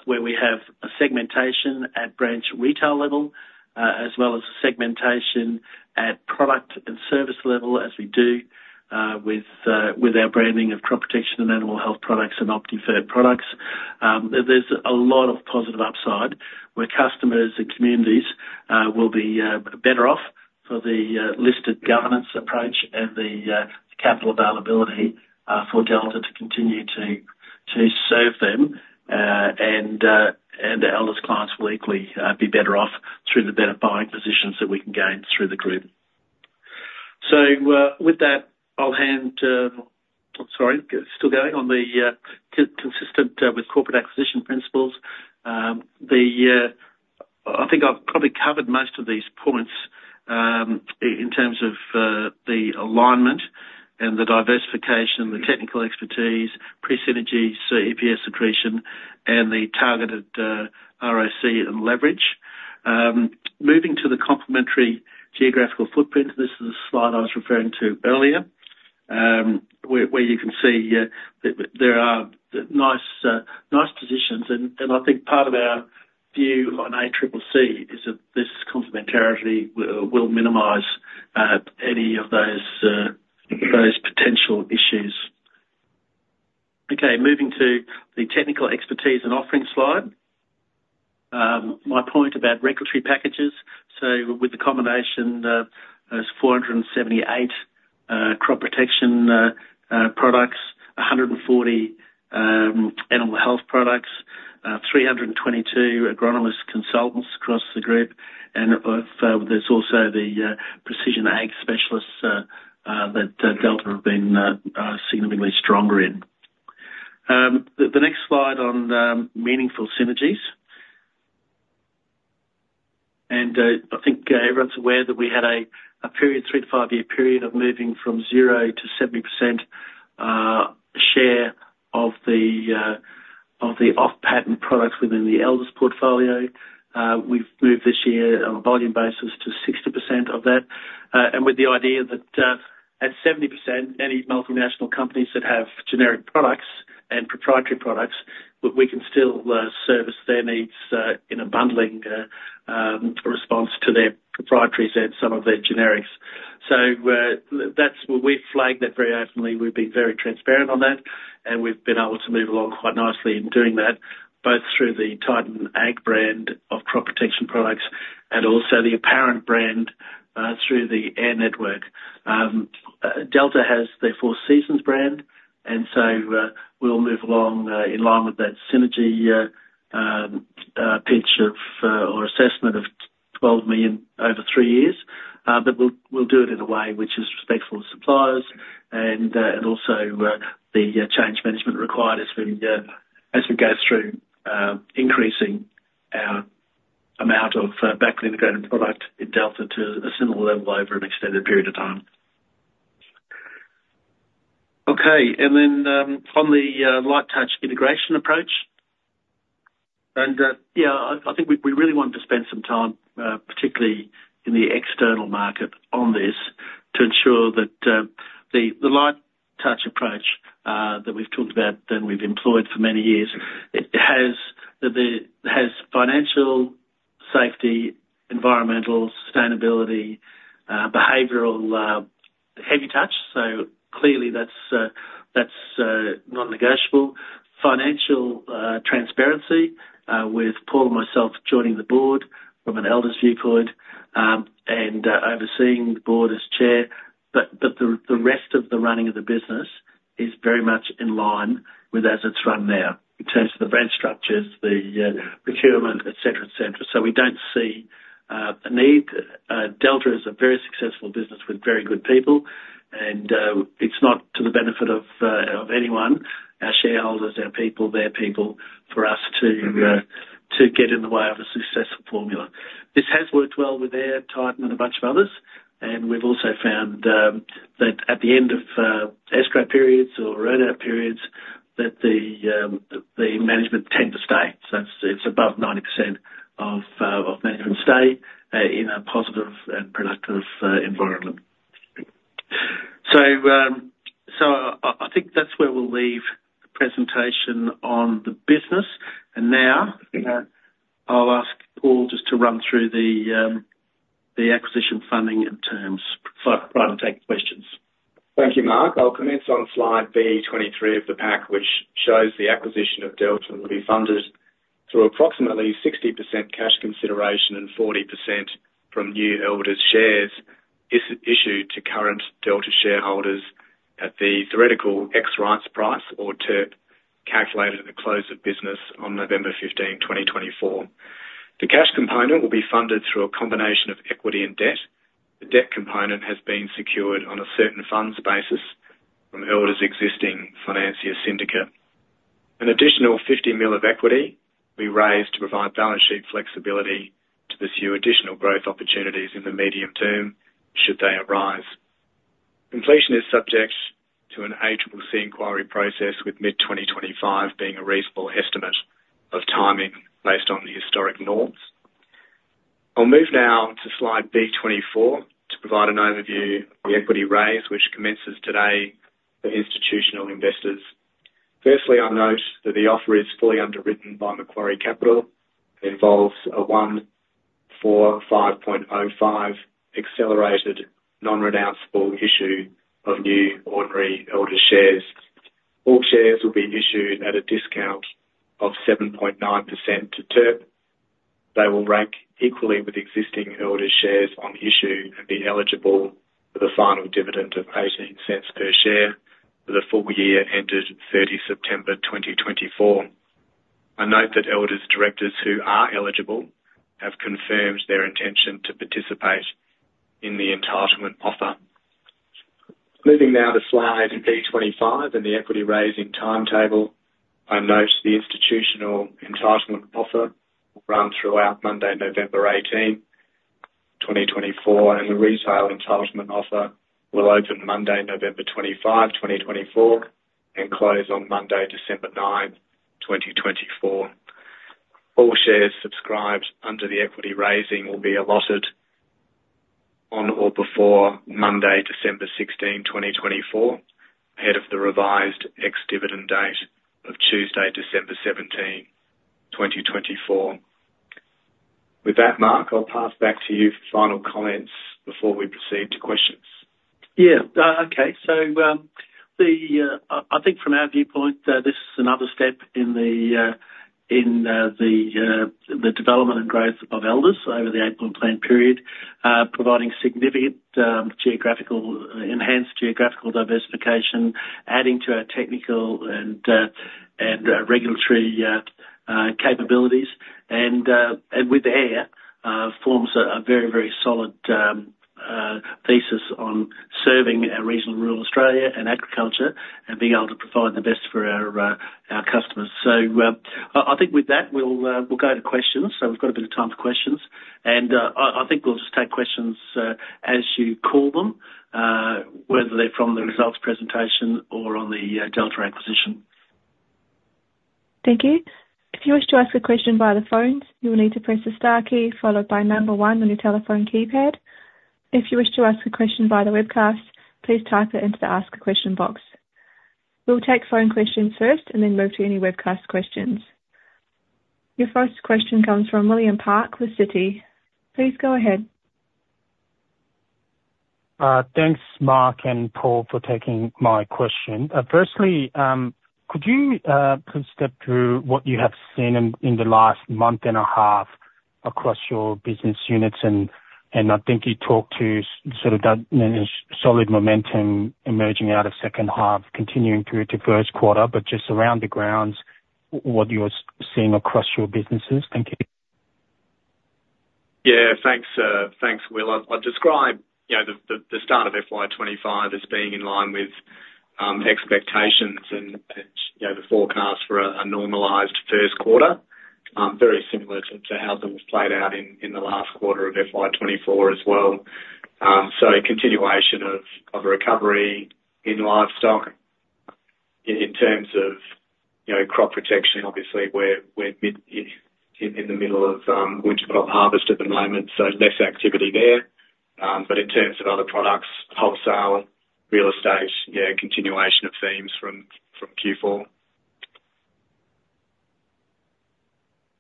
B: where we have a segmentation at branch retail level as well as a segmentation at product and service level as we do with our branding of crop protection and animal health products and OptiFert products. There's a lot of positive upside where customers and communities will be better off for the listed governance approach and the capital availability for Delta to continue to serve them, and Elders' clients will equally be better off through the better buying positions that we can gain through the group, so with that, I'll hand. Sorry, still going on the consistent with corporate acquisition principles. I think I've probably covered most of these points in terms of the alignment and the diversification, the technical expertise, pre-synergies, EPS accretion, and the targeted ROC and leverage. Moving to the complementary geographical footprint, this is the slide I was referring to earlier where you can see there are nice positions, and I think part of our view on ACCC is that this complementarity will minimize any of those potential issues. Okay, moving to the technical expertise and offering slide, my point about regulatory packages, so with the combination of 478 crop protection products, 140 animal health products, 322 agronomist consultants across the group, and there's also the precision ag specialists that Delta have been significantly stronger in. The next slide on meaningful synergies. I think everyone's aware that we had a period, three- to five-year period of moving from 0 to 70% share of the off-patent products within the Elders portfolio. We've moved this year on a volume basis to 60% of that. With the idea that at 70%, any multinational companies that have generic products and proprietary products, we can still service their needs in a bundling response to their proprietaries and some of their generics. So that's where we flagged that very openly. We've been very transparent on that, and we've been able to move along quite nicely in doing that both through the Titan Ag brand of crop protection products and also the Apparent brand through the AIRR network. Delta has their 4Farmers brand, and so we'll move along in line with that synergy pitch or assessment of 12 million over three years. But we'll do it in a way which is respectful of suppliers and also the change management required as we go through increasing our amount of backward integrated product in Delta to a similar level over an extended period of time. Okay, and then on the light touch integration approach. And yeah, I think we really want to spend some time, particularly in the external market on this, to ensure that the light touch approach that we've talked about and we've employed for many years has financial safety, environmental, sustainability, behavioral heavy touch. So clearly that's non-negotiable. Financial transparency with Paul and myself joining the board from an Elders viewpoint and overseeing the board as chair. But the rest of the running of the business is very much in line with as it's run now in terms of the branch structures, the procurement, etc., etc. So we don't see a need. Delta is a very successful business with very good people, and it's not to the benefit of anyone, our shareholders, our people, their people for us to get in the way of a successful formula. This has worked well with AIRR, Titan, and a bunch of others. And we've also found that at the end of escrow periods or earn-out periods, that the management tend to stay. So it's above 90% of management stay in a positive and productive environment. So I think that's where we'll leave the presentation on the business. And now I'll ask Paul just to run through the acquisition funding and terms prior to taking questions.
C: Thank you, Mark. I'll commence on slide B23 of the pack, which shows the acquisition of Delta will be funded through approximately 60% cash consideration and 40% from new Elders shares issued to current Delta shareholders at the theoretical ex-rights price or TERP calculated at the close of business on November 15, 2024. The cash component will be funded through a combination of equity and debt. The debt component has been secured on a certain funds basis from Elders' existing financier syndicate. An additional 50 million of equity will be raised to provide balance sheet flexibility to pursue additional growth opportunities in the medium term should they arise. Completion is subject to an ACCC inquiry process with mid-2025 being a reasonable estimate of timing based on the historic norms. I'll move now to slide B24 to provide an overview of the equity raise, which commences today for institutional investors. Firstly, I'll note that the offer is fully underwritten by Macquarie Capital and involves a 1 for 5.05 accelerated non-renounceable issue of new ordinary Elders shares. All shares will be issued at a discount of 7.9% to TERP. They will rank equally with existing Elders shares on issue and be eligible for the final dividend of 0.18 per share for the full year ended 30 September 2024. I note that Elders' directors who are eligible have confirmed their intention to participate in the entitlement offer. Moving now to slide B25 and the equity raising timetable, I note the institutional entitlement offer will run throughout Monday, November 18, 2024, and the retail entitlement offer will open Monday, November 25, 2024, and close on Monday, December 9, 2024. All shares subscribed under the equity raising will be allotted on or before Monday, December 16, 2024, ahead of the revised ex-dividend date of Tuesday, December 17, 2024. With that, Mark, I'll pass back to you for final comments before we proceed to questions.
B: Yeah, okay. So I think from our viewpoint, this is another step in the development and growth of Elders over the eight-point plan period, providing significant geographical enhanced geographical diversification, adding to our technical and regulatory capabilities. And with AIRR forms a very, very solid thesis on serving our regional rural Australia and agriculture and being able to provide the best for our customers. So I think with that, we'll go to questions. So we've got a bit of time for questions. And I think we'll just take questions as you call them, whether they're from the results presentation or on the Delta acquisition.
A: Thank you. If you wish to ask a question via the phone, you will need to press the star key followed by number one on your telephone keypad. If you wish to ask a question via the webcast, please type it into the ask a question box. We'll take phone questions first and then move to any webcast questions. Your first question comes from William Park of Citi. Please go ahead.
D: Thanks, Mark and Paul, for taking my question. Firstly, could you please step through what you have seen in the last month and a half across your business units? And I think you talked to sort of solid momentum emerging out of second half, continuing through to first quarter, but just around the grounds, what you're seeing across your businesses. Thank you.
C: Yeah, thanks, Will. I'd describe the start of FY25 as being in line with expectations and the forecast for a normalized first quarter, very similar to how things played out in the last quarter of FY24 as well. So continuation of recovery in livestock in terms of crop protection, obviously, we're in the middle of winter crop harvest at the moment, so less activity there. But in terms of other products, wholesale, real estate, yeah, continuation of themes from Q4.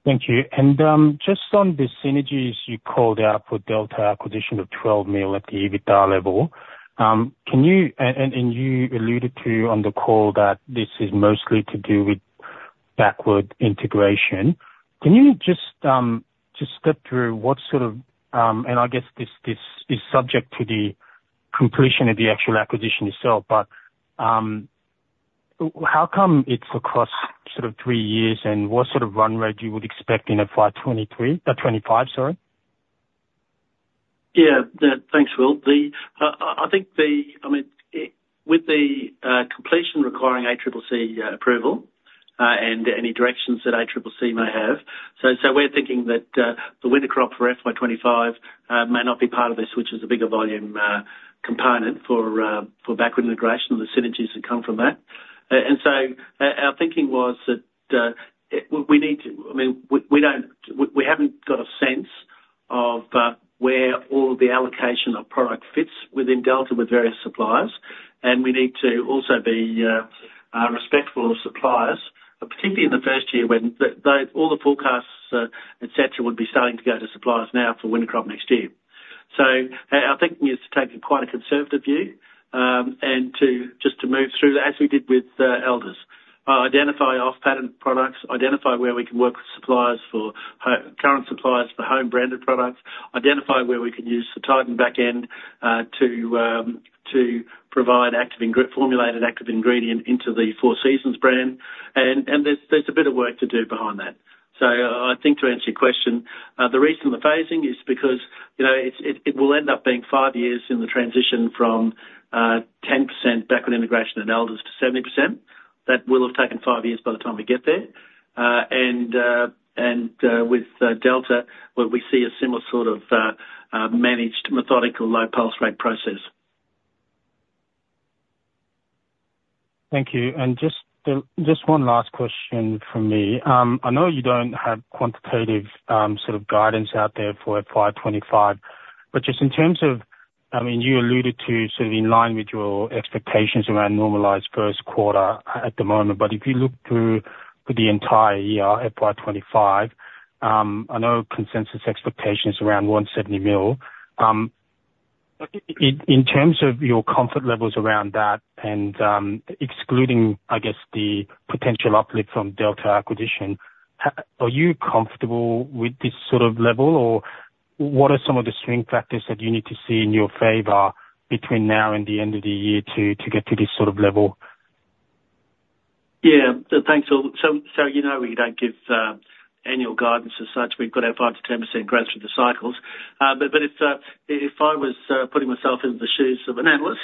D: Thank you. And just on the synergies you called out for Delta acquisition of 12 mil at the EBITDA level, and you alluded to on the call that this is mostly to do with backward integration. Can you just step through what sort of, and I guess this is subject to the completion of the actual acquisition itself, but how come it's across sort of three years and what sort of run rate you would expect in FY23? Sorry.
B: Yeah, thanks, Will. I mean, with the completion requiring ACCC approval and any directions that ACCC may have. So we're thinking that the winter crop for FY25 may not be part of this, which is a bigger volume component for backward integration and the synergies that come from that. And so our thinking was that we need to, I mean, we haven't got a sense of where all of the allocation of product fits within Delta with various suppliers. And we need to also be respectful of suppliers, particularly in the first year when all the forecasts, etc., would be starting to go to suppliers now for winter crop next year. So our thinking is to take quite a conservative view and just to move through as we did with Elders. Identify off-patent products, identify where we can work with current suppliers for home-branded products, identify where we can use the Titan backend to provide formulated active ingredient into the 4Farmers brand. And there's a bit of work to do behind that. So I think to answer your question, the reason the phasing is because it will end up being five years in the transition from 10% backward integration in Elders to 70%. That will have taken five years by the time we get there. And with Delta, we see a similar sort of managed methodical low pulse rate process.
D: Thank you. And just one last question from me. I know you don't have quantitative sort of guidance out there for FY25, but just in terms of, I mean, you alluded to sort of in line with your expectations around normalized first quarter at the moment. But if you look through the entire year FY25, I know consensus expectations around 170 mil. In terms of your comfort levels around that and excluding, I guess, the potential uplift from Delta acquisition, are you comfortable with this sort of level? Or what are some of the swing factors that you need to see in your favor between now and the end of the year to get to this sort of level?
B: Yeah, thanks. So you know we don't give annual guidance as such. We've got our 5%-10% growth through the cycles. But if I was putting myself in the shoes of an analyst,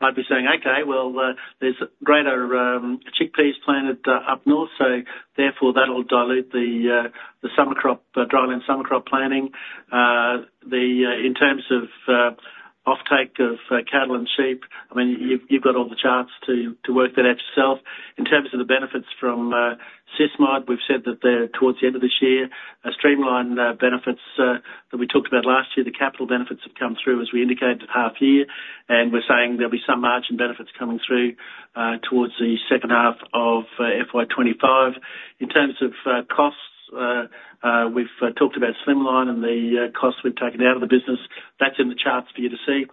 B: I'd be saying, "Okay, well, there's greater chickpeas planted up north, so therefore that'll dilute the dryland summer crop planning." In terms of offtake of cattle and sheep, I mean, you've got all the charts to work that out yourself. In terms of the benefits from SysMod, we've said that they're towards the end of this year. Streamline benefits that we talked about last year, the capital benefits have come through as we indicated half year. And we're saying there'll be some margin benefits coming through towards the second half of FY25. In terms of costs, we've talked about Streamline and the costs we've taken out of the business. That's in the charts for you to see.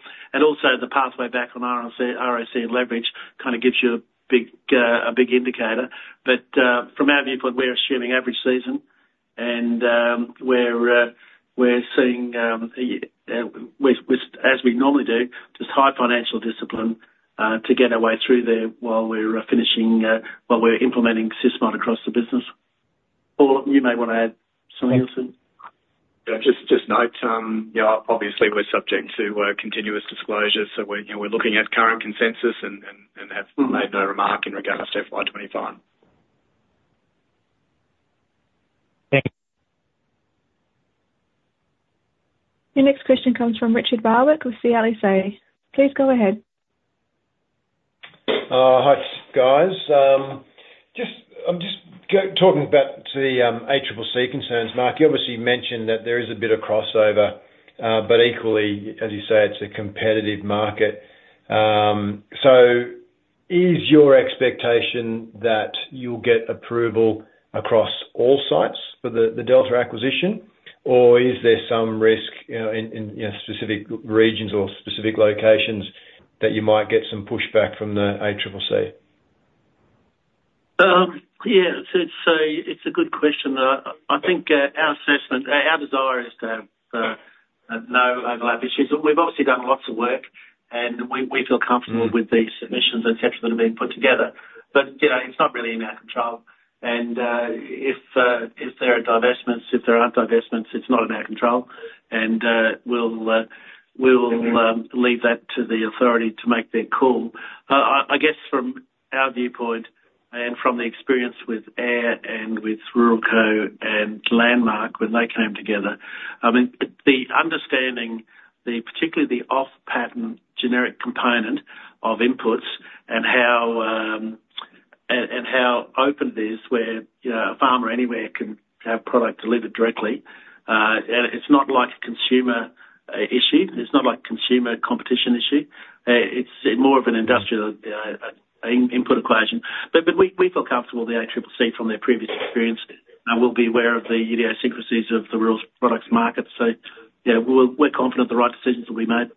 B: Also the pathway back on ROC leverage kind of gives you a big indicator. But from our viewpoint, we're assuming average season. And we're seeing, as we normally do, just high financial discipline to get our way through there while we're implementing SysMod across the business.
D: Paul, you may want to add something else in.
C: Just note, obviously, we're subject to continuous disclosure. So we're looking at current consensus and have made no remark in regards to FY25.
D: Thanks.
A: Your next question comes from Richard Warwick with Morgans. Please go ahead.
E: Hi, guys. I'm just talking about the ACCC concerns, Mark. You obviously mentioned that there is a bit of crossover, but equally, as you say, it's a competitive market. So is your expectation that you'll get approval across all sites for the Delta Agribiz acquisition, or is there some risk in specific regions or specific locations that you might get some pushback from the ACCC?
B: Yeah, so it's a good question. I think our desire is to have no overlap issues. We've obviously done lots of work, and we feel comfortable with these submissions that have been put together. But it's not really in our control. And if there are divestments, if there aren't divestments, it's not in our control. And we'll leave that to the authority to make their call. I guess from our viewpoint and from the experience with AIRR and with Ruralco and Landmark when they came together, I mean, the understanding, particularly the off-patent generic component of inputs and how open it is where a farmer anywhere can have product delivered directly. It's not like a consumer issue. It's not like a consumer competition issue. It's more of an industrial input equation. But we feel comfortable with the ACCC from their previous experience. And we'll be aware of the idiosyncrasies of the rural products market. So we're confident the right decisions will be made.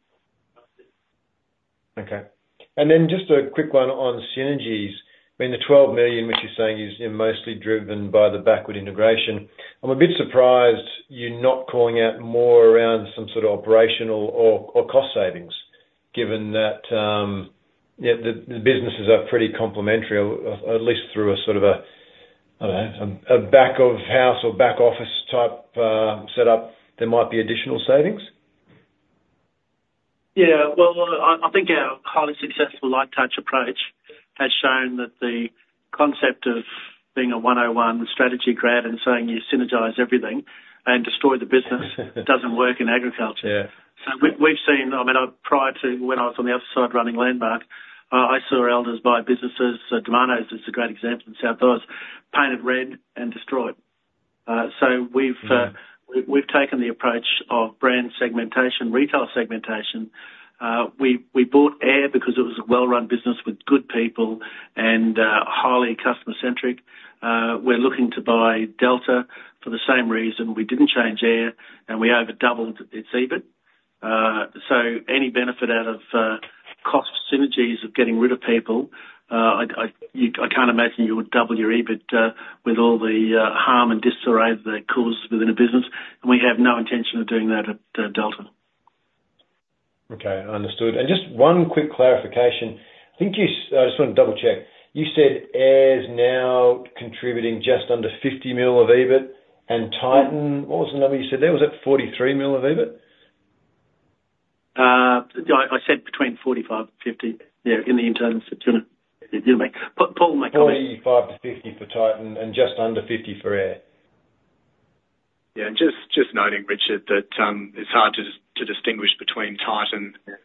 E: Okay. And then just a quick one on synergies. I mean, the 12 million, which you're saying, is mostly driven by the backward integration. I'm a bit surprised you're not calling out more around some sort of operational or cost savings, given that the businesses are pretty complementary, at least through a sort of a back-of-house or back-office type setup. There might be additional savings.
B: Yeah.Well, I think our highly successful light touch approach has shown that the concept of being a 101 strategy grad and saying you synergize everything and destroy the business doesn't work in agriculture. So we've seen, I mean, prior to when I was on the other side running Landmark, I saw Elders buy businesses. Domino’s is a great example in South Australia. Paint it red and destroy it. So we've taken the approach of brand segmentation, retail segmentation. We bought AIRR because it was a well-run business with good people and highly customer-centric. We're looking to buy Delta for the same reason. We didn't change AIRR, and we overdoubled its EBIT. So any benefit out of cost synergies of getting rid of people, I can't imagine you would double your EBIT with all the harm and disarray that that causes within a business. We have no intention of doing that at Delta.
E: Okay. Understood. Just one quick clarification. I just want to double-check. You said AIRR is now contributing just under 50 million of EBIT and Titan. What was the number you said there? Was it 43 million of EBIT?
B: I said between 45 million and 50 million in the internal assumption. Paul, make a note.
E: 45 million to 50 million for Titan and just under 50 million for AIRR.
C: Yeah. Just noting, Richard, that it's hard to distinguish between Titan and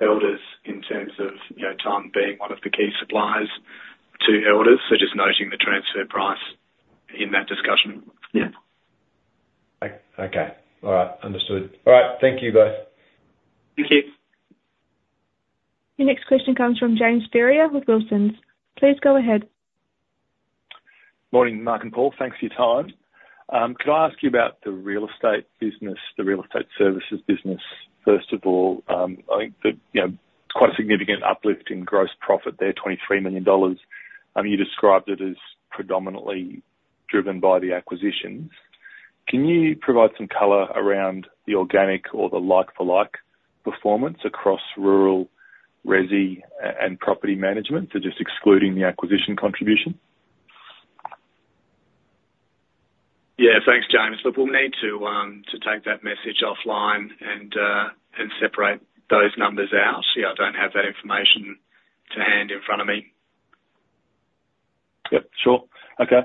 C: Elders in terms of Titan being one of the key suppliers to Elders. So just noting the transfer price in that discussion. Yeah.
E: Okay. All right. Understood. All right. Thank you both.
B: Thank you.
A: Your next question comes from James Ferrier with Wilsons. Please go ahead.
F: Morning, Mark and Paul. Thanks for your time. Could I ask you about the real estate business, the real estate services business, first of all? I think there's quite a significant uplift in gross profit there, 23 million dollars. You described it as predominantly driven by the acquisitions. Can you provide some color around the organic or the like-for-like performance across rural, resi, and property management, so just excluding the acquisition contribution?
C: Yeah. Thanks, James. But we'll need to take that message offline and separate those numbers out. I don't have that information to hand in front of me.
F: Yep. Sure. Okay.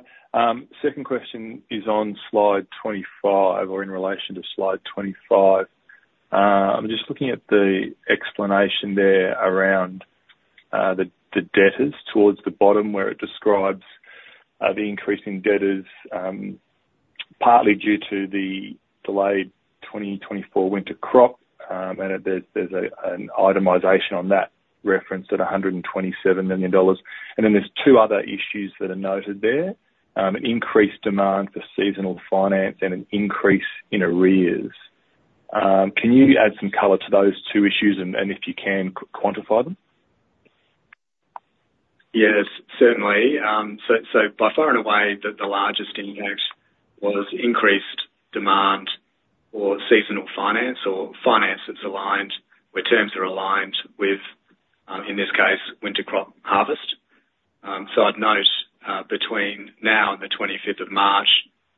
F: Second question is on slide 25 or in relation to slide 25. I'm just looking at the explanation there around the debtors towards the bottom where it describes the increase in debtors, partly due to the delayed 2024 winter crop. And there's an itemization on that reference at 127 million dollars. There are two other issues that are noted there: an increased demand for seasonal finance and an increase in arrears. Can you add some color to those two issues and, if you can, quantify them?
C: Yes, certainly. So by far and away, the largest impact was increased demand for seasonal finance or finance that's aligned where terms are aligned with, in this case, winter crop harvest. So I'd note between now and the 25th of March,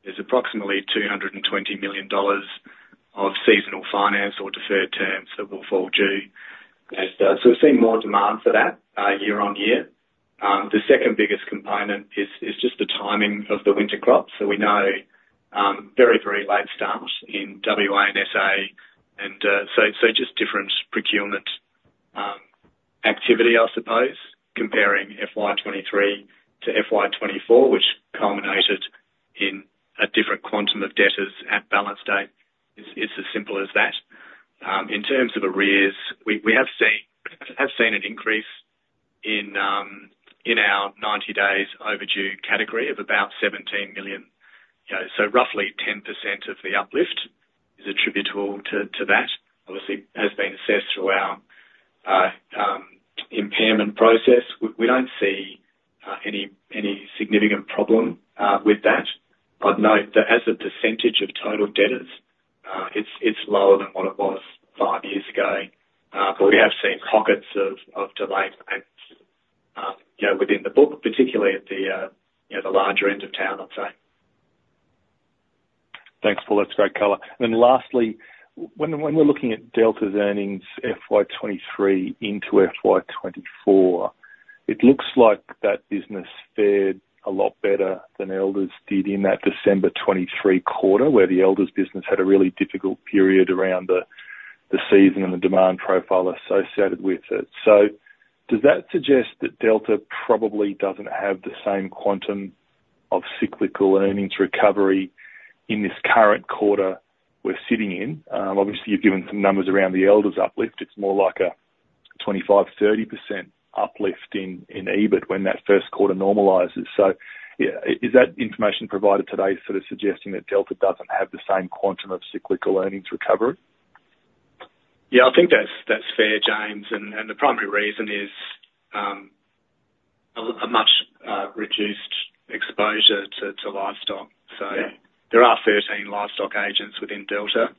C: there's approximately 220 million dollars of seasonal finance or deferred terms that will fall due. So we've seen more demand for that year on year. The second biggest component is just the timing of the winter crop. So we know very, very late start in WA and SA. And so just different procurement activity, I suppose, comparing FY23 to FY24, which culminated in a different quantum of debtors at balance date. It's as simple as that. In terms of arrears, we have seen an increase in our 90 days overdue category of about 17 million. So roughly 10% of the uplift is attributable to that. Obviously, it has been assessed through our impairment process. We don't see any significant problem with that. I'd note that as a percentage of total debtors, it's lower than what it was five years ago. But we have seen pockets of delayed payments within the book, particularly at the larger end of town, I'd say.
F: Thanks, Paul. That's great color. And then lastly, when we're looking at Delta's earnings FY23 into FY24, it looks like that business fared a lot better than Elders did in that December 2023 quarter, where the Elders business had a really difficult period around the season and the demand profile associated with it. So does that suggest that Delta probably doesn't have the same quantum of cyclical earnings recovery in this current quarter we're sitting in? Obviously, you've given some numbers around the Elders uplift. It's more like a 25%-30% uplift in EBIT when that first quarter normalizes. So is that information provided today sort of suggesting that Delta doesn't have the same quantum of cyclical earnings recovery?
C: Yeah, I think that's fair, James. And the primary reason is a much reduced exposure to livestock. So there are 13 livestock agents within Delta.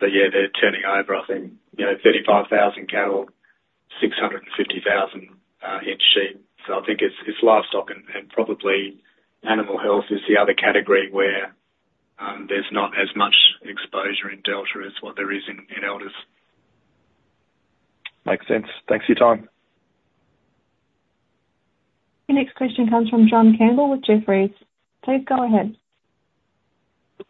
C: But yeah, they're turning over, I think, 35,000 cattle, 650,000 sheep. So I think it's livestock and probably animal health is the other category where there's not as much exposure in Delta as what there is in Elders.
F: Makes sense. Thanks for your time.
A: Your next question comes from John Campbell with Jefferies. Please go ahead.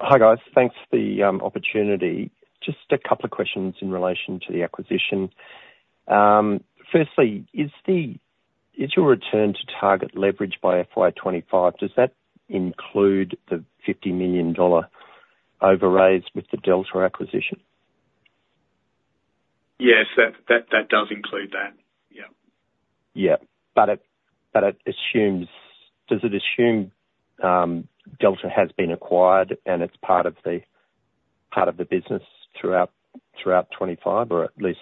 G: Hi, guys. Thanks for the opportunity. Just a couple of questions in relation to the acquisition. Firstly, is your return to target leverage by FY25? Does that include the AUD 50 million overraise with the Delta acquisition?
C: Yes, that does include that. Yeah.
G: Yeah. But does it assume Delta has been acquired and it's part of the business throughout '25, or at least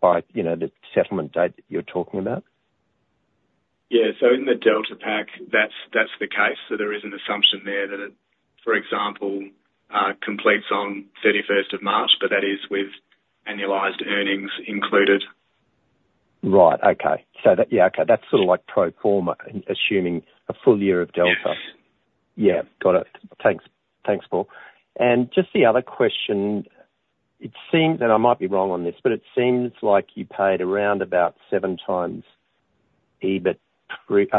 G: by the settlement date that you're talking about?
C: Yeah. So in the Delta pack, that's the case. So there is an assumption there that it, for example, completes on 31st of March, but that is with annualized earnings included.
G: Right. Okay. Yeah. Okay. That's sort of like pro forma, assuming a full year of Delta. Yeah. Got it. Thanks, Paul. Just the other question, it seemed, and I might be wrong on this, but it seems like you paid around about seven times EBIT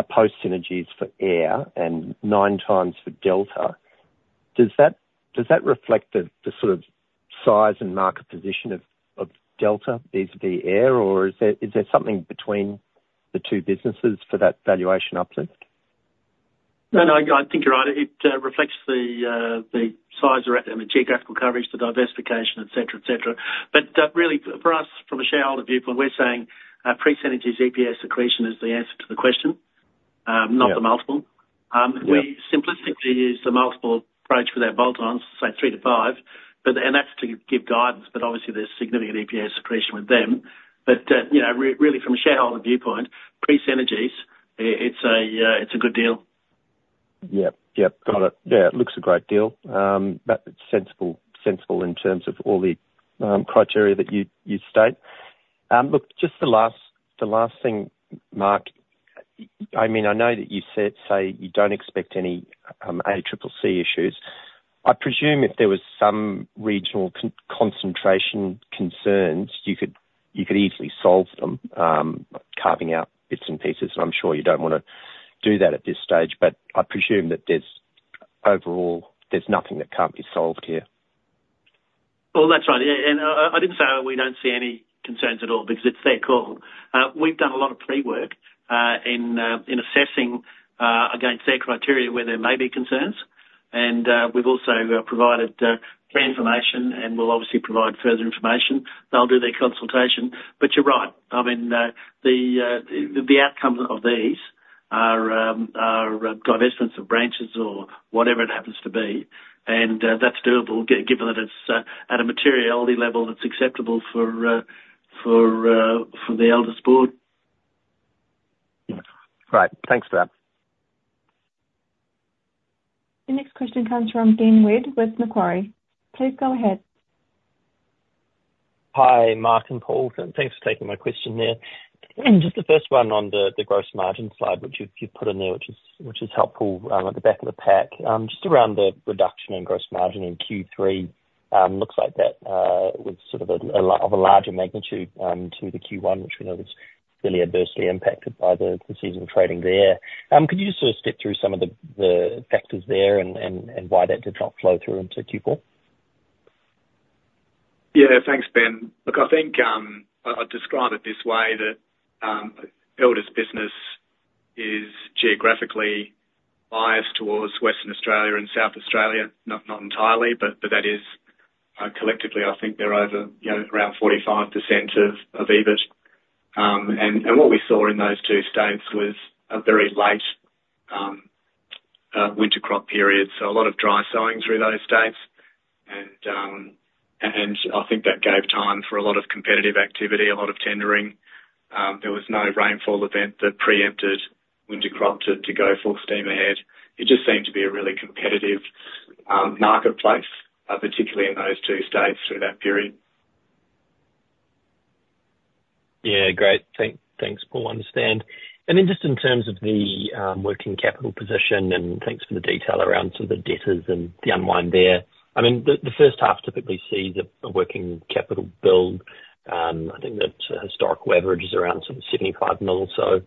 G: post-synergies for AIRR and nine times for Delta. Does that reflect the sort of size and market position of Delta vis-à-vis AIRR, or is there something between the two businesses for that valuation uplift?
B: No, no. I think you're right. It reflects the size or geographical coverage, the diversification, etc., etc. But really, for us, from a shareholder viewpoint, we're saying pre-synergy's EPS accretion is the answer to the question, not the multiple. We simplistically use the multiple approach with our bolt-ons, say, three to five. That's to give guidance, but obviously, there's significant EPS accretion with them. But really, from a shareholder viewpoint, pre-synergies, it's a good deal.
G: Yep. Yep. Got it. Yeah. It looks a great deal. But sensible in terms of all the criteria that you state. Look, just the last thing, Mark. I mean, I know that you say you don't expect any ACCC issues. I presume if there were some regional concentration concerns, you could easily solve them, carving out bits and pieces. And I'm sure you don't want to do that at this stage. But I presume that overall, there's nothing that can't be solved here.
B: Well, that's right. And I didn't say we don't see any concerns at all because it's their call. We've done a lot of pre-work in assessing against their criteria where there may be concerns. And we've also provided information and will obviously provide further information. They'll do their consultation. But you're right. I mean, the outcome of these are divestments of branches or whatever it happens to be. And that's doable, given that it's at a materiality level that's acceptable for the Elders board.
G: Right. Thanks for that.
A: Your next question comes from Ben with Macquarie. Please go ahead.
H: Hi, Mark and Paul. Thanks for taking my question there. Just the first one on the gross margin slide, which you've put in there, which is helpful at the back of the pack, just around the reduction in gross margin in Q3, looks like that was sort of a larger magnitude to the Q1, which we know was clearly adversely impacted by the seasonal trading there. Could you just sort of step through some of the factors there and why that did not flow through into Q4?
B: Yeah. Thanks, Ben. Look, I think I'd describe it this way: that Elders business is geographically biased towards Western Australia and South Australia, not entirely, but that is collectively, I think they're over around 45% of EBIT. And what we saw in those two states was a very late winter crop period. So a lot of dry sowing through those states. And I think that gave time for a lot of competitive activity, a lot of tendering. There was no rainfall event that preempted winter crop to go full steam ahead. It just seemed to be a really competitive marketplace, particularly in those two states through that period.
H: Yeah. Great. Thanks, Paul. I understand. And then just in terms of the working capital position, and thanks for the detail around sort of the debtors and the unwind there. I mean, the first half typically sees a working capital build. I think that historic leverage is around sort of 75 mil or so.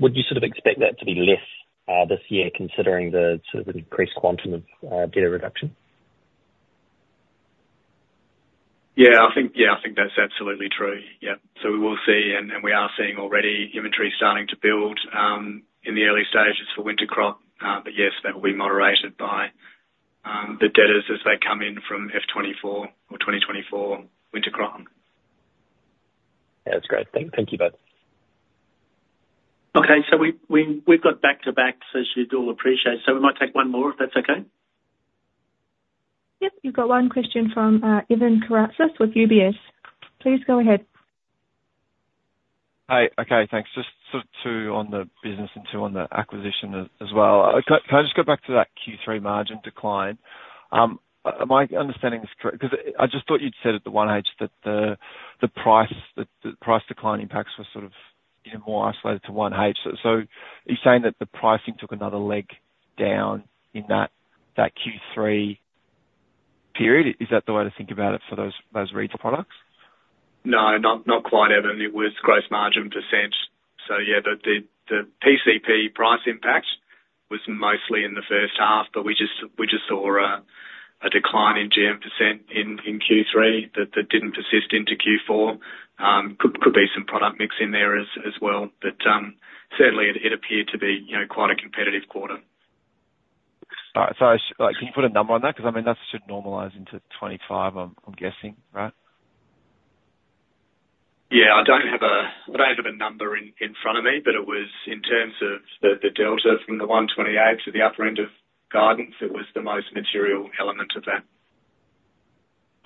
H: Would you sort of expect that to be less this year considering the sort of increased quantum of debtor reduction?
B: Yeah. I think that's absolutely true. Yeah. So we will see. And we are seeing already inventory starting to build in the early stages for winter crop. But yes, that will be moderated by the debtors as they come in from F24 or 2024 winter crop.
H: Yeah. That's great. Thank you both.
B: Okay. So we've got back-to-backs, as you'd all appreciate. So we might take one more if that's okay.
A: Yep. You've got one question from Evan Karatzis with UBS. Please go ahead.
I: Hey. Okay. Thanks. Just sort of two on the business and two on the acquisition as well. Can I just go back to that Q3 margin decline? Am I understanding this correctly? Because I just thought you'd said at the 1H that the price decline impacts were sort of more isolated to 1H. So are you saying that the pricing took another leg down in that Q3 period? Is that the way to think about it for those regional products?
C: No, not quite, Evan. It was gross margin %. So yeah, the PCP price impact was mostly in the first half, but we just saw a decline in GM % in Q3 that didn't persist into Q4. Could be some product mix in there as well. But certainly, it appeared to be quite a competitive quarter.
I: Sorry. Can you put a number on that? Because I mean, that should normalize into 25, I'm guessing, right?
C: Yeah.I don't have a number in front of me, but it was in terms of the Delta from the 128 to the upper end of guidance. It was the most material element of that.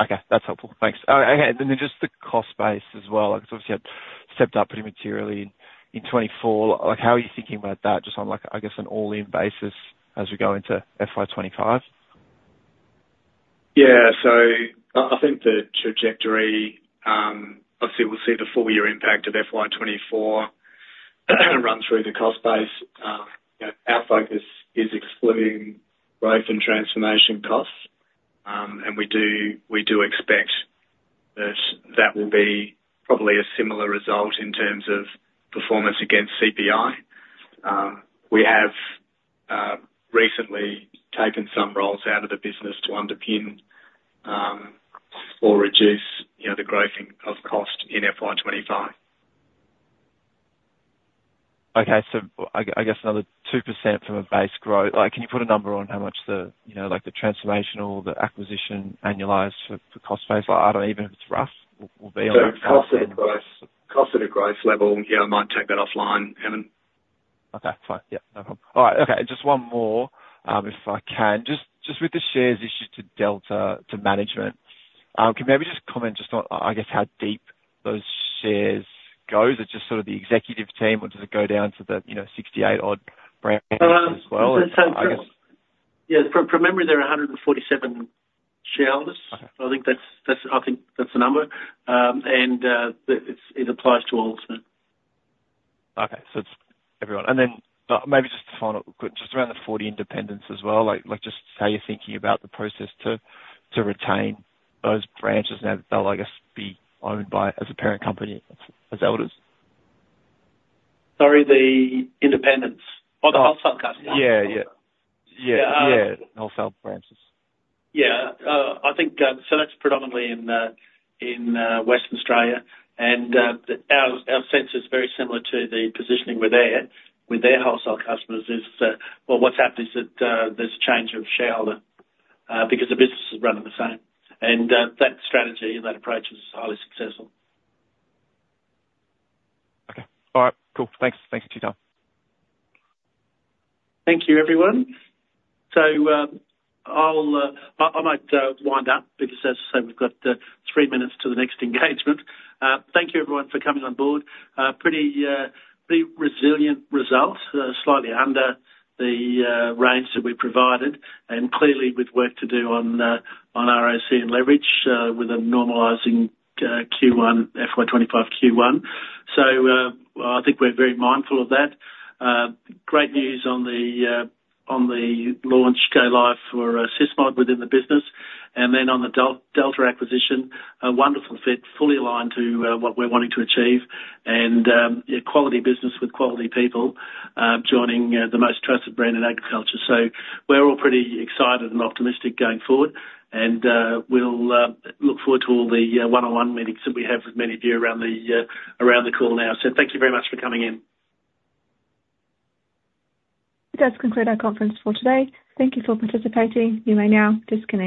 I: Okay. That's helpful. Thanks. Okay. And then just the cost base as well. It's obviously stepped up pretty materially in 2024. How are you thinking about that just on, I guess, an all-in basis as we go into FY 2025?
C: Yeah. So I think the trajectory, obviously, we'll see the four-year impact of FY 2024 run through the cost base. Our focus is excluding growth and transformation costs. And we do expect that that will be probably a similar result in terms of performance against CPI. We have recently taken some roles out of the business to underpin or reduce the growth of cost in FY 2025.
I: Okay. So I guess another 2% from a base growth. Can you put a number on how much the transformational, the acquisition annualized for cost base? I don't know. Even if it's rough, we'll be on that.
C: So cost at a growth level, yeah, I might take that offline, Evan.
I: Okay. Fine. Yep. No problem. All right. Okay. Just one more, if I can. Just with the shares issued to Delta's management, can you maybe just comment just on, I guess, how deep those shares go? Is it just sort of the executive team, or does it go down to the 68-odd branches as well?
B: Yeah. From memory, there are 147 shareholders. So I think that's a number. And it applies to all of us now.
I: Okay. So it's everyone. And then maybe just a final quick just around the 40 independents as well, just how you're thinking about the process to retain those branches now that they'll, I guess, be owned by as a parent company as Elders?
B: Sorry? The independents? Oh, the wholesale customers.
I: Yeah. Yeah. Yeah. Yeah. Wholesale branches.
B: Yeah. So that's predominantly in Western Australia. And our sense is very similar to the positioning with their wholesale customers is, well, what's happened is that there's a change of shareholder because the business is running the same. And that strategy and that approach is highly successful.
I: Okay. All right. Cool. Thanks. Thanks for your time.
B: Thank you, everyone. So I might wind up because, as I say, we've got three minutes to the next engagement. Thank you, everyone, for coming on board. Pretty resilient result, slightly under the range that we provided. And clearly, we've worked to do on ROC and leverage with a normalizing FY25 Q1. So I think we're very mindful of that. Great news on the launch go live for SysMod within the business. And then on the Delta acquisition, a wonderful fit, fully aligned to what we're wanting to achieve. And quality business with quality people joining the most trusted brand in agriculture. So we're all pretty excited and optimistic going forward. And we'll look forward to all the one-on-one meetings that we have with many of you around the call now. So thank you very much for coming in.
A: That does conclude our conference for today. Thank you for participating. You may now disconnect.